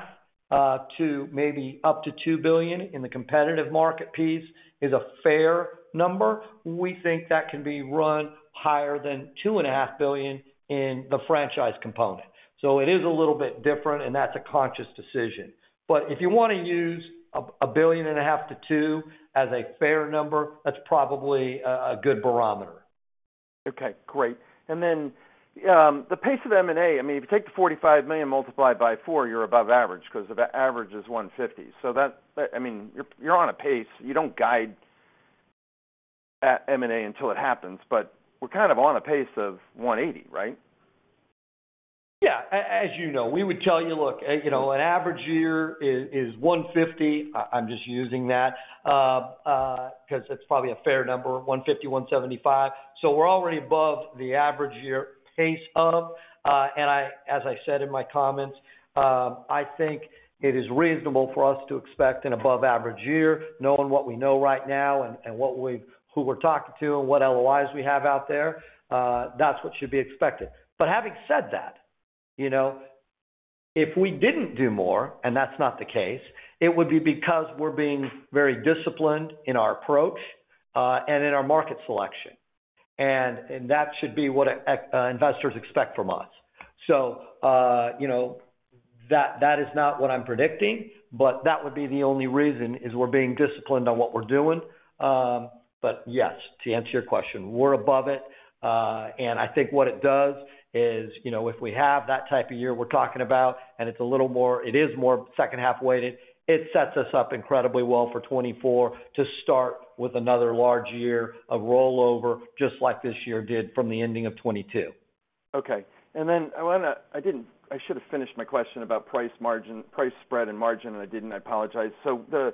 billion to maybe up to $2 billion in the competitive market piece is a fair number. We think that can be run higher than $2.5 billion in the franchise component. It is a little bit different, and that's a conscious decision. If you wanna use $1.5 billion-$2 billion as a fair number, that's probably a good barometer. Okay, great. Then, the pace of M&A, I mean, if you take the $45 million multiplied by four, you're above average 'cause the average is $150. I mean, you're on a pace. You don't guide that M&A until it happens, but we're kind of on a pace of $180, right? As you know, we would tell you, look, you know, an average year is 150. I'm just using that, 'cause it's probably a fair number, 150, 175. We're already above the average year pace of, as I said in my comments, I think it is reasonable for us to expect an above average year, knowing what we know right now and what we've who we're talking to and what LOIs we have out there, that's what should be expected. Having said that, you know, if we didn't do more, and that's not the case, it would be because we're being very disciplined in our approach and in our market selection. That should be what investors expect from us. You know, that is not what I'm predicting, but that would be the only reason, is we're being disciplined on what we're doing. Yes, to answer your question, we're above it. I think what it does is, you know, if we have that type of year we're talking about and it is more H2-weighted, it sets us up incredibly well for 2024 to start with another large year of rollover, just like this year did from the ending of 2022. Okay. I wanna I should have finished my question about price margin, price spread and margin, and I didn't. I apologize. Mary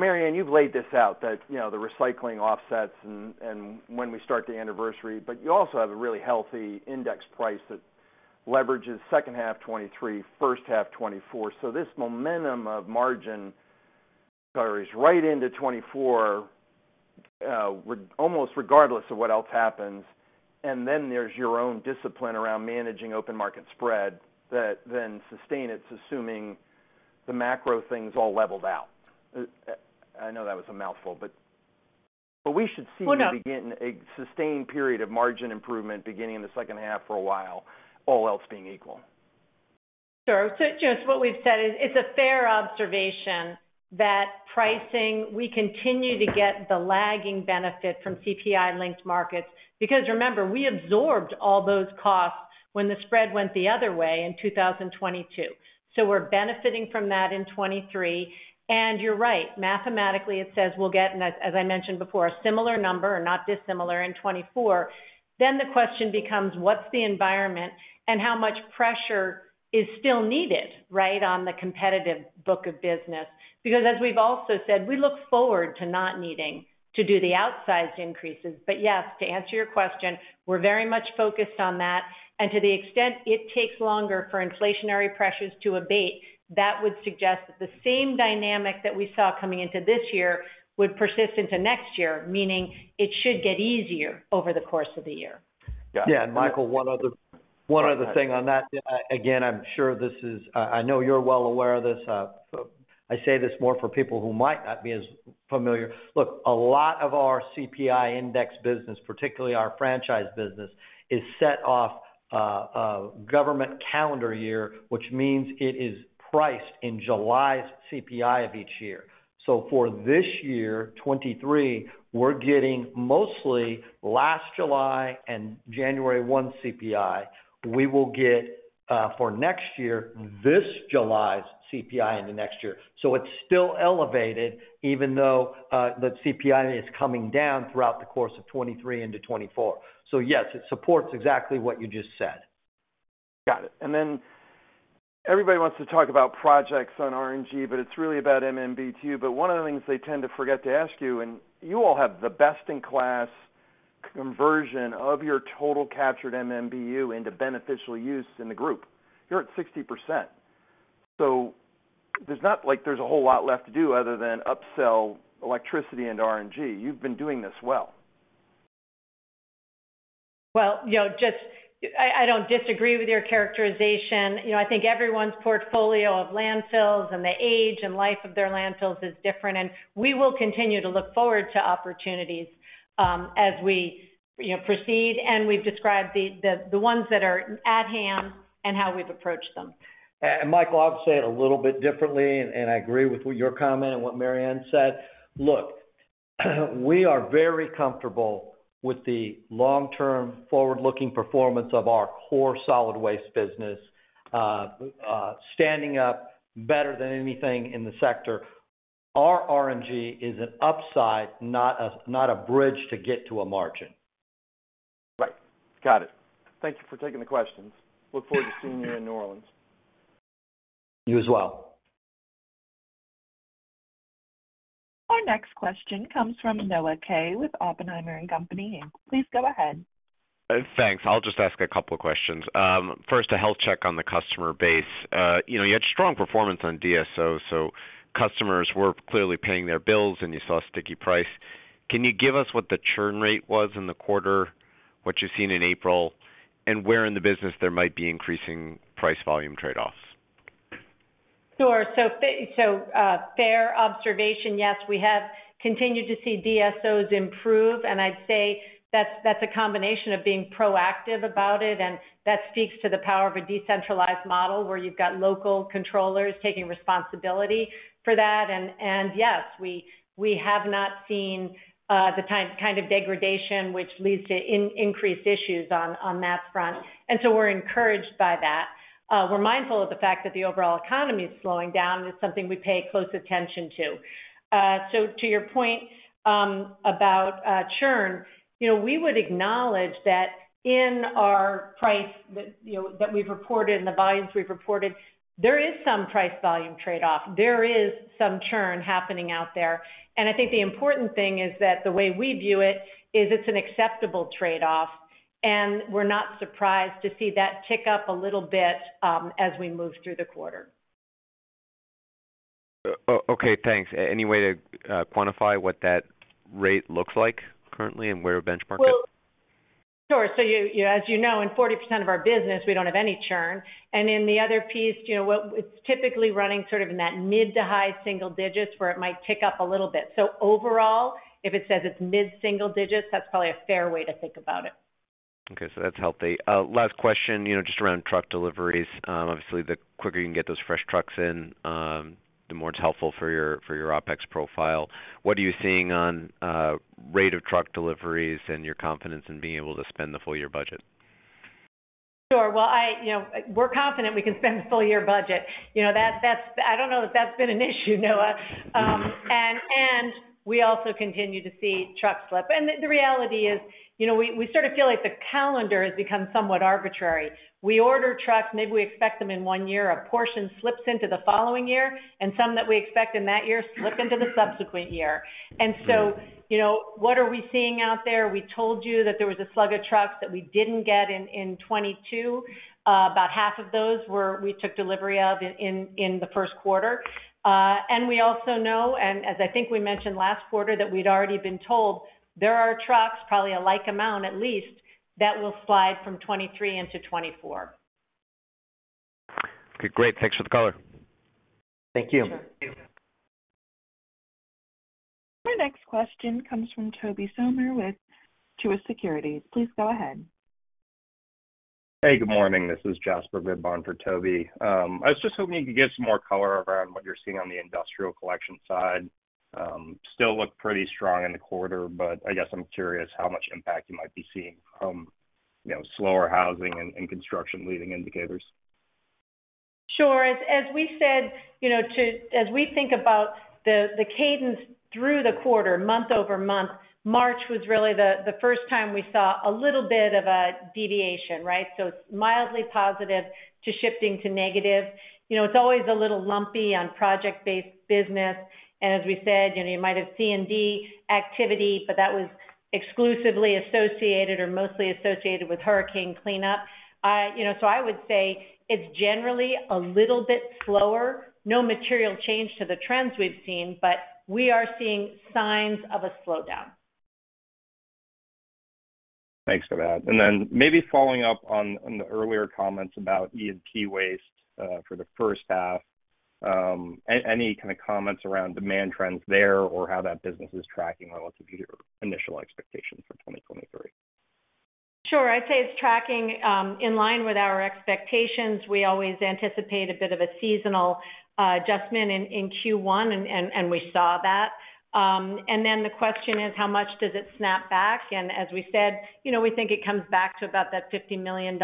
Anne, you've laid this out that, you know, the recycling offsets and when we start the anniversary, but you also have a really healthy index price that leverages H2 2023, H1 2024. This momentum of margin carries right into 2024, almost regardless of what else happens. There's your own discipline around managing open market spread that then sustain it, assuming the macro thing's all leveled out. I know that was a mouthful, but we should see- Well, no.... the beginning, a sustained period of margin improvement beginning in the H2 for a while, all else being equal. Sure. Joe, what we've said is it's a fair observation that pricing, we continue to get the lagging benefit from CPI-linked markets because remember, we absorbed all those costs when the spread went the other way in 2022. We're benefiting from that in 2023. You're right, mathematically, it says we'll get, as I mentioned before, a similar number or not dissimilar in 2024. The question becomes what's the environment and how much pressure is still needed, right, on the competitive book of business. As we've also said, we look forward to not needing to do the outsized increases. Yes, to answer your question, we're very much focused on that. To the extent it takes longer for inflationary pressures to abate, that would suggest that the same dynamic that we saw coming into this year would persist into next year, meaning it should get easier over the course of the year. Yeah. Michael, one other thing on that. Again, I know you're well aware of this. I say this more for people who might not be as familiar. Look, a lot of our CPI index business, particularly our franchise business, is set off government calendar year, which means it is priced in July's CPI of each year. For this year, 2023, we're getting mostly last July and January 1 CPI. We will get for next year, this July's CPI into next year. It's still elevated, even though the CPI is coming down throughout the course of 2023 into 2024. Yes, it supports exactly what you just said. Got it. Everybody wants to talk about projects on RNG, but it's really about MMBtu. One of the things they tend to forget to ask you, and you all have the best in class conversion of your total captured MMBtu into beneficial use in the group. You're at 60%. There's not like there's a whole lot left to do other than upsell electricity into RNG. You've been doing this well. Well, you know, I don't disagree with your characterization. You know, I think everyone's portfolio of landfills and the age and life of their landfills is different. We will continue to look forward to opportunities as we, you know, proceed. We've described the ones that are at hand and how we've approached them. Michael, I'll say it a little bit differently, and I agree with what your comment and what Mary Anne said. Look, we are very comfortable with the long-term forward-looking performance of our core solid waste business, standing up better than anything in the sector. Our RNG is an upside, not a bridge to get to a margin. Right. Got it. Thank you for taking the questions. Look forward to seeing you in New Orleans. You as well. Our next question comes from Noah Kaye with Oppenheimer & Co. Please go ahead. Thanks. I'll just ask a couple of questions. First, a health check on the customer base. You know, you had strong performance on DSO, so customers were clearly paying their bills and you saw sticky price. Can you give us what the churn rate was in the quarter, what you've seen in April, and where in the business there might be increasing price volume trade-offs? Sure. So fair observation. Yes, we have continued to see DSOs improve, and I'd say that's a combination of being proactive about it, and that speaks to the power of a decentralized model where you've got local controllers taking responsibility for that. Yes, we have not seen the kind of degradation which leads to increased issues on that front. We're encouraged by that. We're mindful of the fact that the overall economy is slowing down is something we pay close attention to. To your point about churn, you know, we would acknowledge that in our price that, you know, we've reported and the volumes we've reported, there is some price volume trade-off. There is some churn happening out there. I think the important thing is that the way we view it is it's an acceptable trade-off, and we're not surprised to see that tick up a little bit, as we move through the quarter. Okay, thanks. Any way to quantify what that rate looks like currently and where it benchmarked it? Well, sure. You as you know, in 40% of our business, we don't have any churn. In the other piece, you know, well, it's typically running sort of in that mid to high single digits where it might tick up a little bit. Overall, if it says it's mid single digits, that's probably a fair way to think about it. That's healthy. Last question, you know, just around truck deliveries. Obviously, the quicker you can get those fresh trucks in, the more it's helpful for your OpEx profile. What are you seeing on rate of truck deliveries and your confidence in being able to spend the full year budget? Sure. Well, I... You know, we're confident we can spend the full year budget. You know, that's... I don't know that that's been an issue, Noah. We also continue to see trucks slip. The reality is, you know, we sort of feel like the calendar has become somewhat arbitrary. We order trucks, maybe we expect them in 1 year, a portion slips into the following year, and some that we expect in that year slip into the subsequent year. So, you know, what are we seeing out there? We told you that there was a slug of trucks that we didn't get in 2022. About half of those we took delivery of in the Q1. We also know, and as I think we mentioned last quarter, that we'd already been told there are trucks, probably a like amount at least, that will slide from 2023 into 2024. Okay, great. Thanks for the color. Thank you. Sure. Our next question comes from Tobey Sommer with Truist Securities. Please go ahead. Hey, good morning. This is Jasper Bibb for Toby. I was just hoping you could give some more color around what you're seeing on the industrial collection side. Still look pretty strong in the quarter, but I guess I'm curious how much impact you might be seeing from, you know, slower housing and construction leading indicators. Sure. As we said, you know, as we think about the cadence through the quarter, month-over-month, March was really the first time we saw a little bit of a deviation, right? It's mildly positive to shifting to negative. You know, it's always a little lumpy on project-based business, and as we said, you know, you might have C&D activity, but that was exclusively associated or mostly associated with hurricane cleanup. You know, I would say it's generally a little bit slower. No material change to the trends we've seen, but we are seeing signs of a slowdown. Thanks for that. Maybe following up on the earlier comments about E&P waste, for the H1, any kind of comments around demand trends there or how that business is tracking relative to your initial expectations for 2023? Sure. I'd say it's tracking, in line with our expectations. We always anticipate a bit of a seasonal adjustment in Q1, and we saw that. The question is how much does it snap back? As we said, you know, we think it comes back to about that $50 million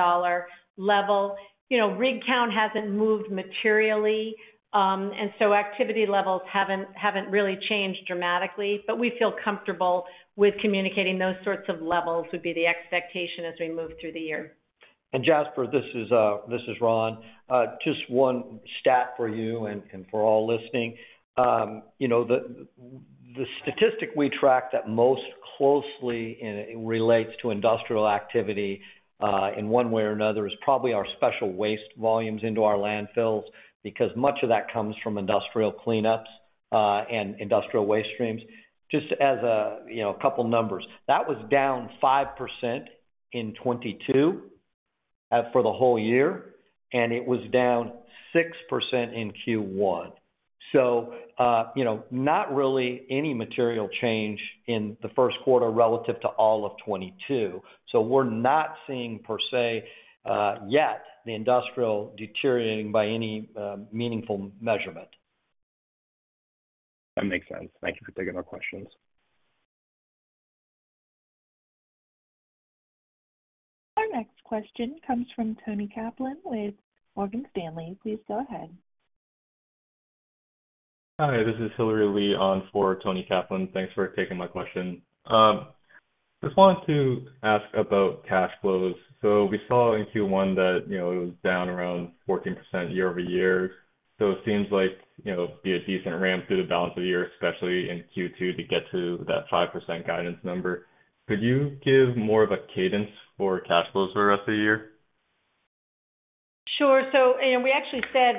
level. You know, rig count hasn't moved materially, so activity levels haven't really changed dramatically. We feel comfortable with communicating those sorts of levels would be the expectation as we move through the year. Jasper, this is Ron. Just 1 stat for you and for all listening. You know, the statistic we track that most closely and it relates to industrial activity in one way or another is probably our special waste volumes into our landfills, because much of that comes from industrial cleanups and industrial waste streams. Just as a, you know, couple numbers. That was down 5% in 2022 for the whole year, and it was down 6% in Q1. You know, not really any material change in the Q1 relative to all of 2022. We're not seeing per se yet the industrial deteriorating by any meaningful measurement. That makes sense. Thank you for taking our questions. Our next question comes from Toni Kaplan with Morgan Stanley. Please go ahead. Hi, this is Hilary Lee on for Toni Kaplan. Thanks for taking my question. Just wanted to ask about cash flows. We saw in Q1 that, you know, it was down around 14% year-over-year. It seems like, you know, it'd be a decent ramp through the balance of the year, especially in Q2, to get to that 5% guidance number. Could you give more of a cadence for cash flows for the rest of the year? Sure. And we actually said,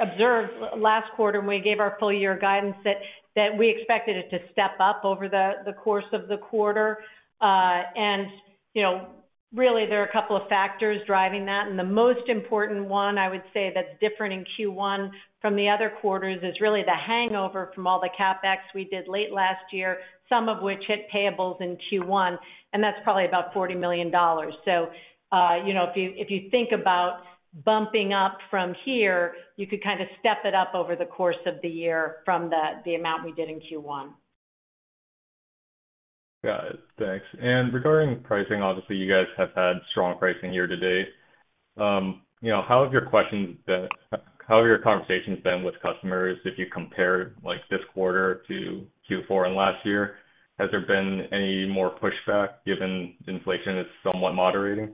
observed last quarter when we gave our full year guidance that we expected it to step up over the course of the quarter. And, you know, really there are a couple of factors driving that, and the most important one I would say that's different in Q1 from the other quarters is really the hangover from all the CapEx we did late last year, some of which hit payables in Q1, and that's probably about $40 million. You know, if you, if you think about bumping up from here, you could kind of step it up over the course of the year from the amount we did in Q1. Got it. Thanks. Regarding pricing, obviously, you guys have had strong pricing year to date. you know, How have your conversations been with customers if you compare, like, this quarter to Q4 and last year? Has there been any more pushback given inflation is somewhat moderating?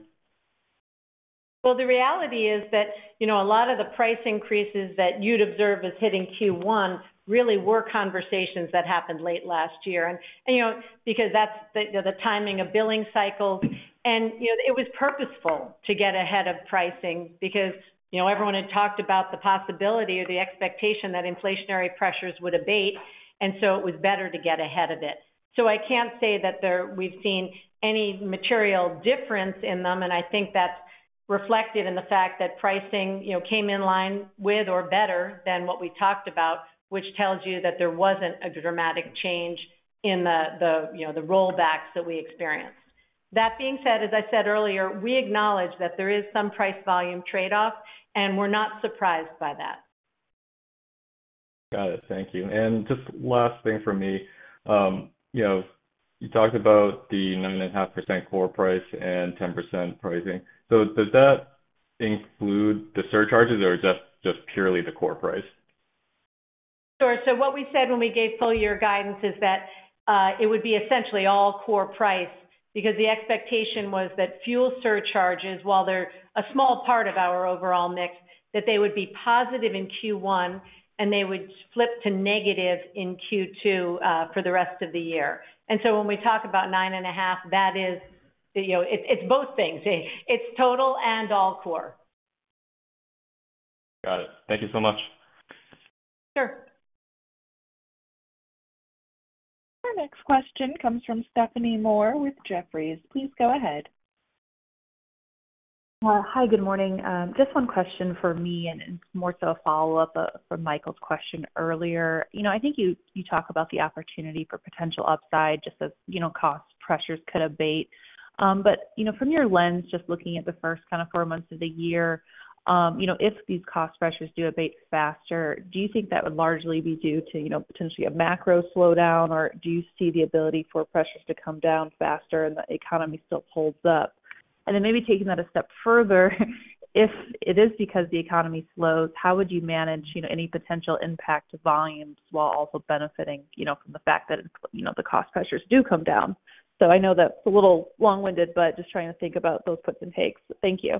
Well, the reality is that, you know, a lot of the price increases that you'd observe as hitting Q1 really were conversations that happened late last year. You know, because that's the timing of billing cycles. You know, it was purposeful to get ahead of pricing because, you know, everyone had talked about the possibility or the expectation that inflationary pressures would abate, and so it was better to get ahead of it. I can't say that there, we've seen any material difference in them, and I think that's reflected in the fact that pricing, you know, came in line with or better than what we talked about, which tells you that there wasn't a dramatic change in the, you know, the rollbacks that we experienced. That being said, as I said earlier, we acknowledge that there is some price-volume trade-off, and we're not surprised by that. Got it. Thank you. Just last thing from me. You know, you talked about the 9.5% core price and 10% pricing. Does that include the surcharges or just purely the core price? Sure. What we said when we gave full year guidance is that it would be essentially all core price because the expectation was that fuel surcharges, while they're a small part of our overall mix, that they would be positive in Q1, and they would flip to negative in Q2 for the rest of the year. When we talk about 9.5, that is, you know, it's both things. It's total and all core. Got it. Thank you so much. Sure. Our next question comes from Stephanie Moore with Jefferies. Please go ahead. Hi, good morning. Just one question for me and more so a follow-up from Michael's question earlier. You know, I think you talk about the opportunity for potential upside, just as, you know, cost pressures could abate. You know, from your lens, just looking at the first kind of four months of the year, you know, if these cost pressures do abate faster, do you think that would largely be due to, you know, potentially a macro slowdown? Do you see the ability for pressures to come down faster, and the economy still holds up? Then maybe taking that a step further, if it is because the economy slows, how would you manage, you know, any potential impact to volumes while also benefiting, you know, from the fact that, you know, the cost pressures do come down? I know that's a little long-winded, but just trying to think about those puts and takes. Thank you.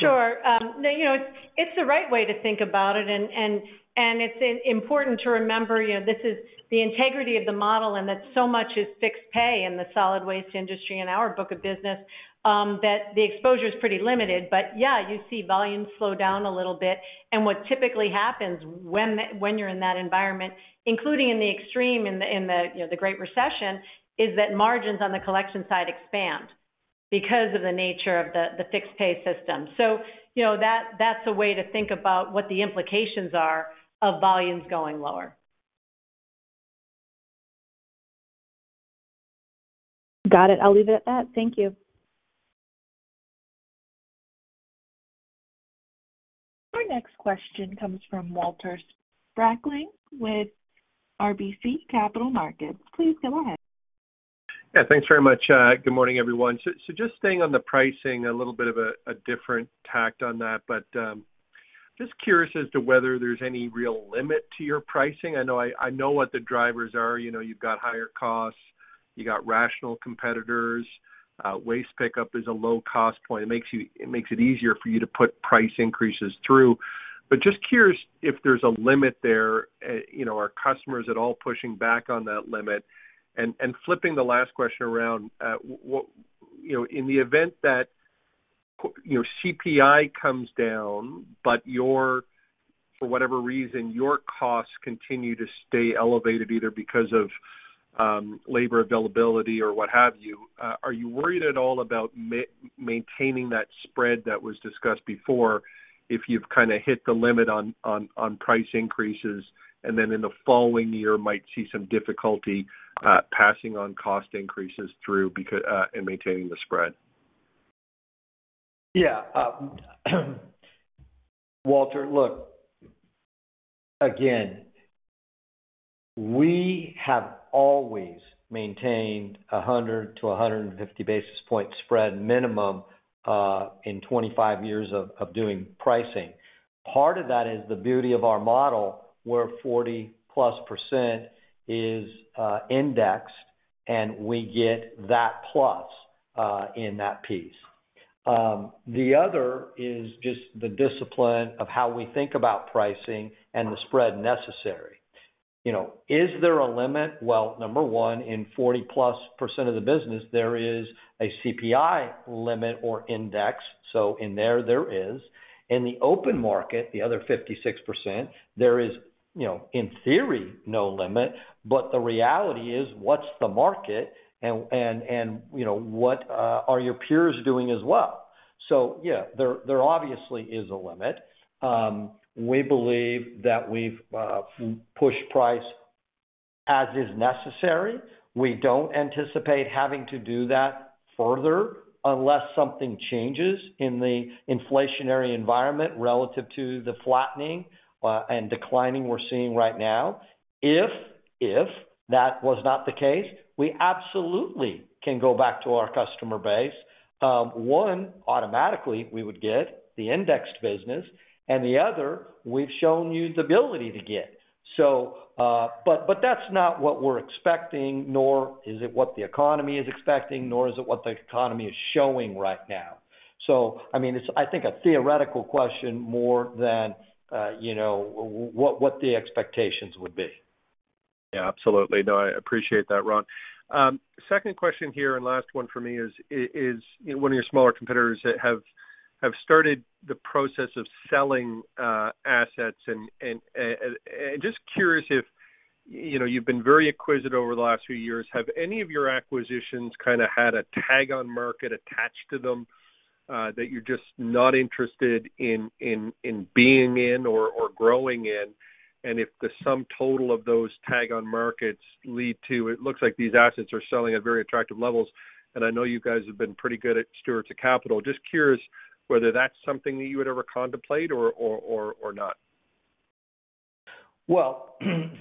Sure. Now, you know, it's the right way to think about it and it's important to remember, you know, this is the integrity of the model, and that so much is fixed pay in the solid waste industry in our book of business, that the exposure is pretty limited. Yeah, you see volumes slow down a little bit. What typically happens when you're in that environment, including in the extreme in the, you know, the Great Recession, is that margins on the collection side expand because of the nature of the fixed pay system. You know, that's a way to think about what the implications are of volumes going lower. Got it. I'll leave it at that. Thank you. Our next question comes from Walter Spracklin with RBC Capital Markets. Please go ahead. Yeah, thanks very much. Good morning, everyone. Just staying on the pricing, a little bit of a different tact on that. But just curious as to whether there's any real limit to your pricing. I know what the drivers are. You know, you've got higher costs, you got rational competitors, waste pickup is a low cost point. It makes it easier for you to put price increases through. Just curious if there's a limit there. You know, are customers at all pushing back on that limit? Flipping the last question around, What You know, in the event that you know, CPI comes down, but your... for whatever reason, your costs continue to stay elevated, either because of labor availability or what have you, are you worried at all about maintaining that spread that was discussed before if you've kinda hit the limit on price increases, and then in the following year might see some difficulty passing on cost increases through in maintaining the spread? Yeah. Walter, look, again, we have always maintained a 100-150 basis point spread minimum, in 25 years of doing pricing. Part of that is the beauty of our model, where 40-plus % is indexed, and we get that plus in that piece. The other is just the discipline of how we think about pricing and the spread necessary. You know, is there a limit? Well, number one, in 40-plus % of the business, there is a CPI limit or index. In there is. The open market, the other 56%, there is, you know, in theory, no limit. The reality is, what's the market and, you know, what are your peers doing as well? Yeah, there obviously is a limit. We believe that we've pushed price as is necessary. We don't anticipate having to do that further unless something changes in the inflationary environment relative to the flattening and declining we're seeing right now. If that was not the case, we absolutely can go back to our customer base. One, automatically, we would get the indexed business, and the other, we've shown you the ability to get. But that's not what we're expecting, nor is it what the economy is expecting, nor is it what the economy is showing right now. I mean, it's, I think, a theoretical question more than, you know, what the expectations would be. Yeah, absolutely. No, I appreciate that, Ron. Second question here and last one for me is, you know, one of your smaller competitors have started the process of selling assets. Just curious if you know, you've been very acquisitive over the last few years. Have any of your acquisitions kinda had a tag on market attached to them that you're just not interested in being in or growing in? If the sum total of those tag on markets lead to... It looks like these assets are selling at very attractive levels, and I know you guys have been pretty good stewards of capital. Just curious whether that's something that you would ever contemplate or not.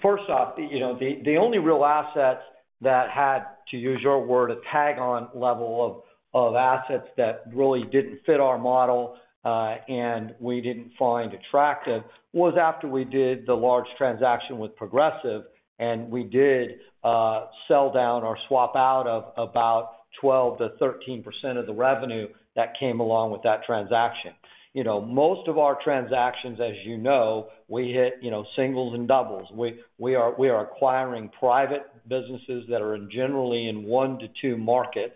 First off, you know, the only real assets that had, to use your word, a tag on level of assets that really didn't fit our model, and we didn't find attractive, was after we did the large transaction with Progressive, and we did sell down or swap out of about 12% to 13% of the revenue that came along with that transaction. You know, most of our transactions, as you know, we hit, you know, singles and doubles. We are acquiring private businesses that are in generally in 1 to 2 markets,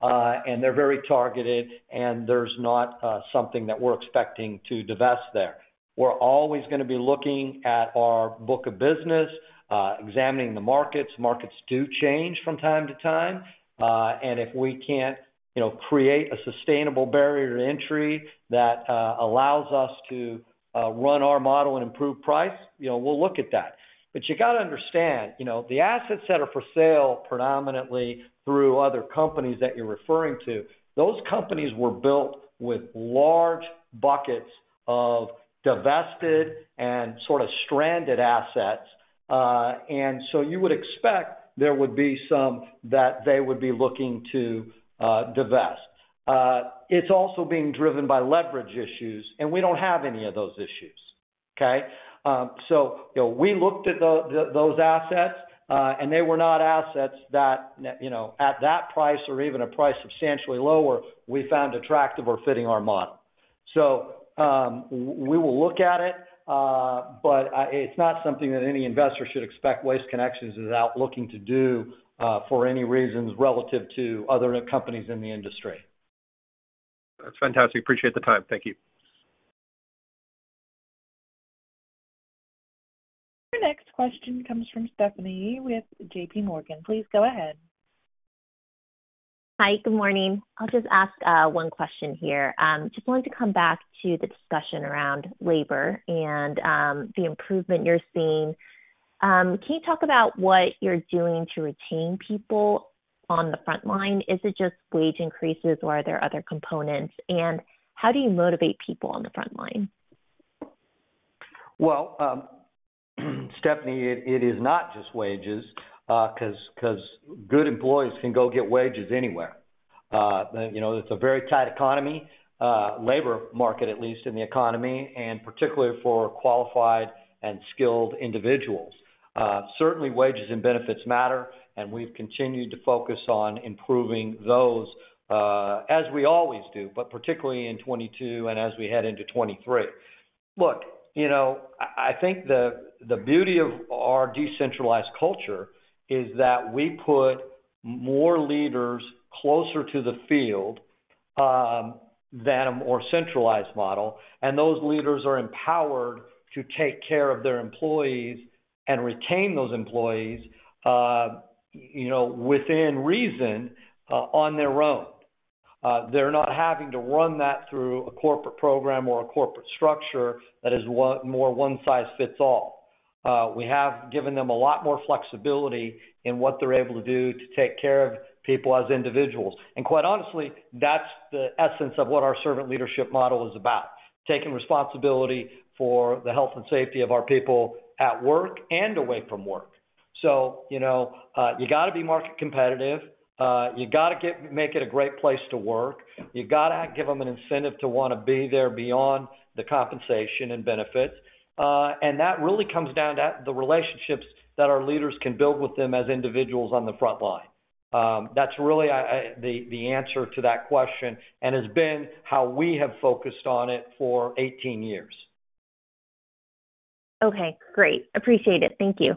and they're very targeted, and there's not something that we're expecting to divest there. We're always gonna be looking at our book of business, examining the markets. Markets do change from time to time. If we can't, you know, create a sustainable barrier to entry that allows us to run our model and improve price, you know, we'll look at that. You gotta understand, you know, the assets that are for sale predominantly through other companies that you're referring to, those companies were built with large buckets of divested and sort of stranded assets. So you would expect there would be some that they would be looking to divest. It's also being driven by leverage issues, and we don't have any of those issues. Okay? So, you know, we looked at those assets, and they were not assets that, you know, at that price or even a price substantially lower, we found attractive or fitting our model. We will look at it, but it's not something that any investor should expect Waste Connections is out looking to do for any reasons relative to other companies in the industry. That's fantastic. Appreciate the time. Thank you. Your next question comes from Stephanie with JPMorgan. Please go ahead. Hi. Good morning. I'll just ask 1 question here. Just wanted to come back to the discussion around labor and the improvement you're seeing. Can you talk about what you're doing to retain people on the front line? Is it just wage increases, or are there other components? How do you motivate people on the front line? Well, Stephanie, it is not just wages, cause good employees can go get wages anywhere. You know, it's a very tight economy, labor market, at least in the economy, and particularly for qualified and skilled individuals. Certainly, wages and benefits matter, and we've continued to focus on improving those, as we always do, but particularly in 22 and as we head into 23. Look, you know, I think the beauty of our decentralized culture is that we put more leaders closer to the field, than a more centralized model, and those leaders are empowered to take care of their employees and retain those employees, you know, within reason, on their own. They're not having to run that through a corporate program or a corporate structure that is more one size fits all. We have given them a lot more flexibility in what they're able to do to take care of people as individuals. Quite honestly, that's the essence of what our servant leadership model is about, taking responsibility for the health and safety of our people at work and away from work. You know, you gotta be market competitive. You gotta make it a great place to work. You gotta give them an incentive to wanna be there beyond the compensation and benefits. That really comes down to the relationships that our leaders can build with them as individuals on the front line. That's really, I... the answer to that question and has been how we have focused on it for 18 years. Okay, great. Appreciate it. Thank you.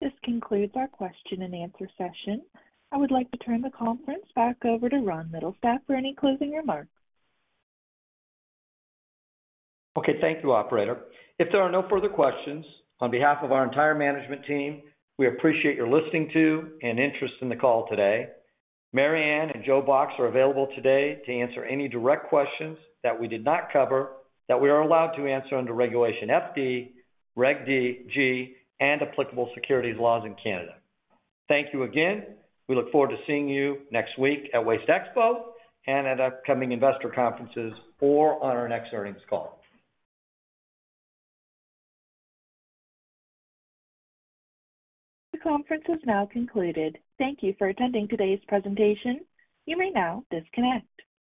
This concludes our question-and-answer session. I would like to turn the conference back over to Ron Mittelstaedt for any closing remarks. Okay. Thank you, operator. If there are no further questions, on behalf of our entire management team, we appreciate your listening to and interest in the call today. Mary Anne and Joe Box are available today to answer any direct questions that we did not cover that we are allowed to answer under Regulation FD, Reg D, G, and applicable securities laws in Canada. Thank you again. We look forward to seeing you next week at WasteExpo and at upcoming investor conferences or on our next earnings call. The conference has now concluded. Thank you for attending today's presentation. You may now disconnect.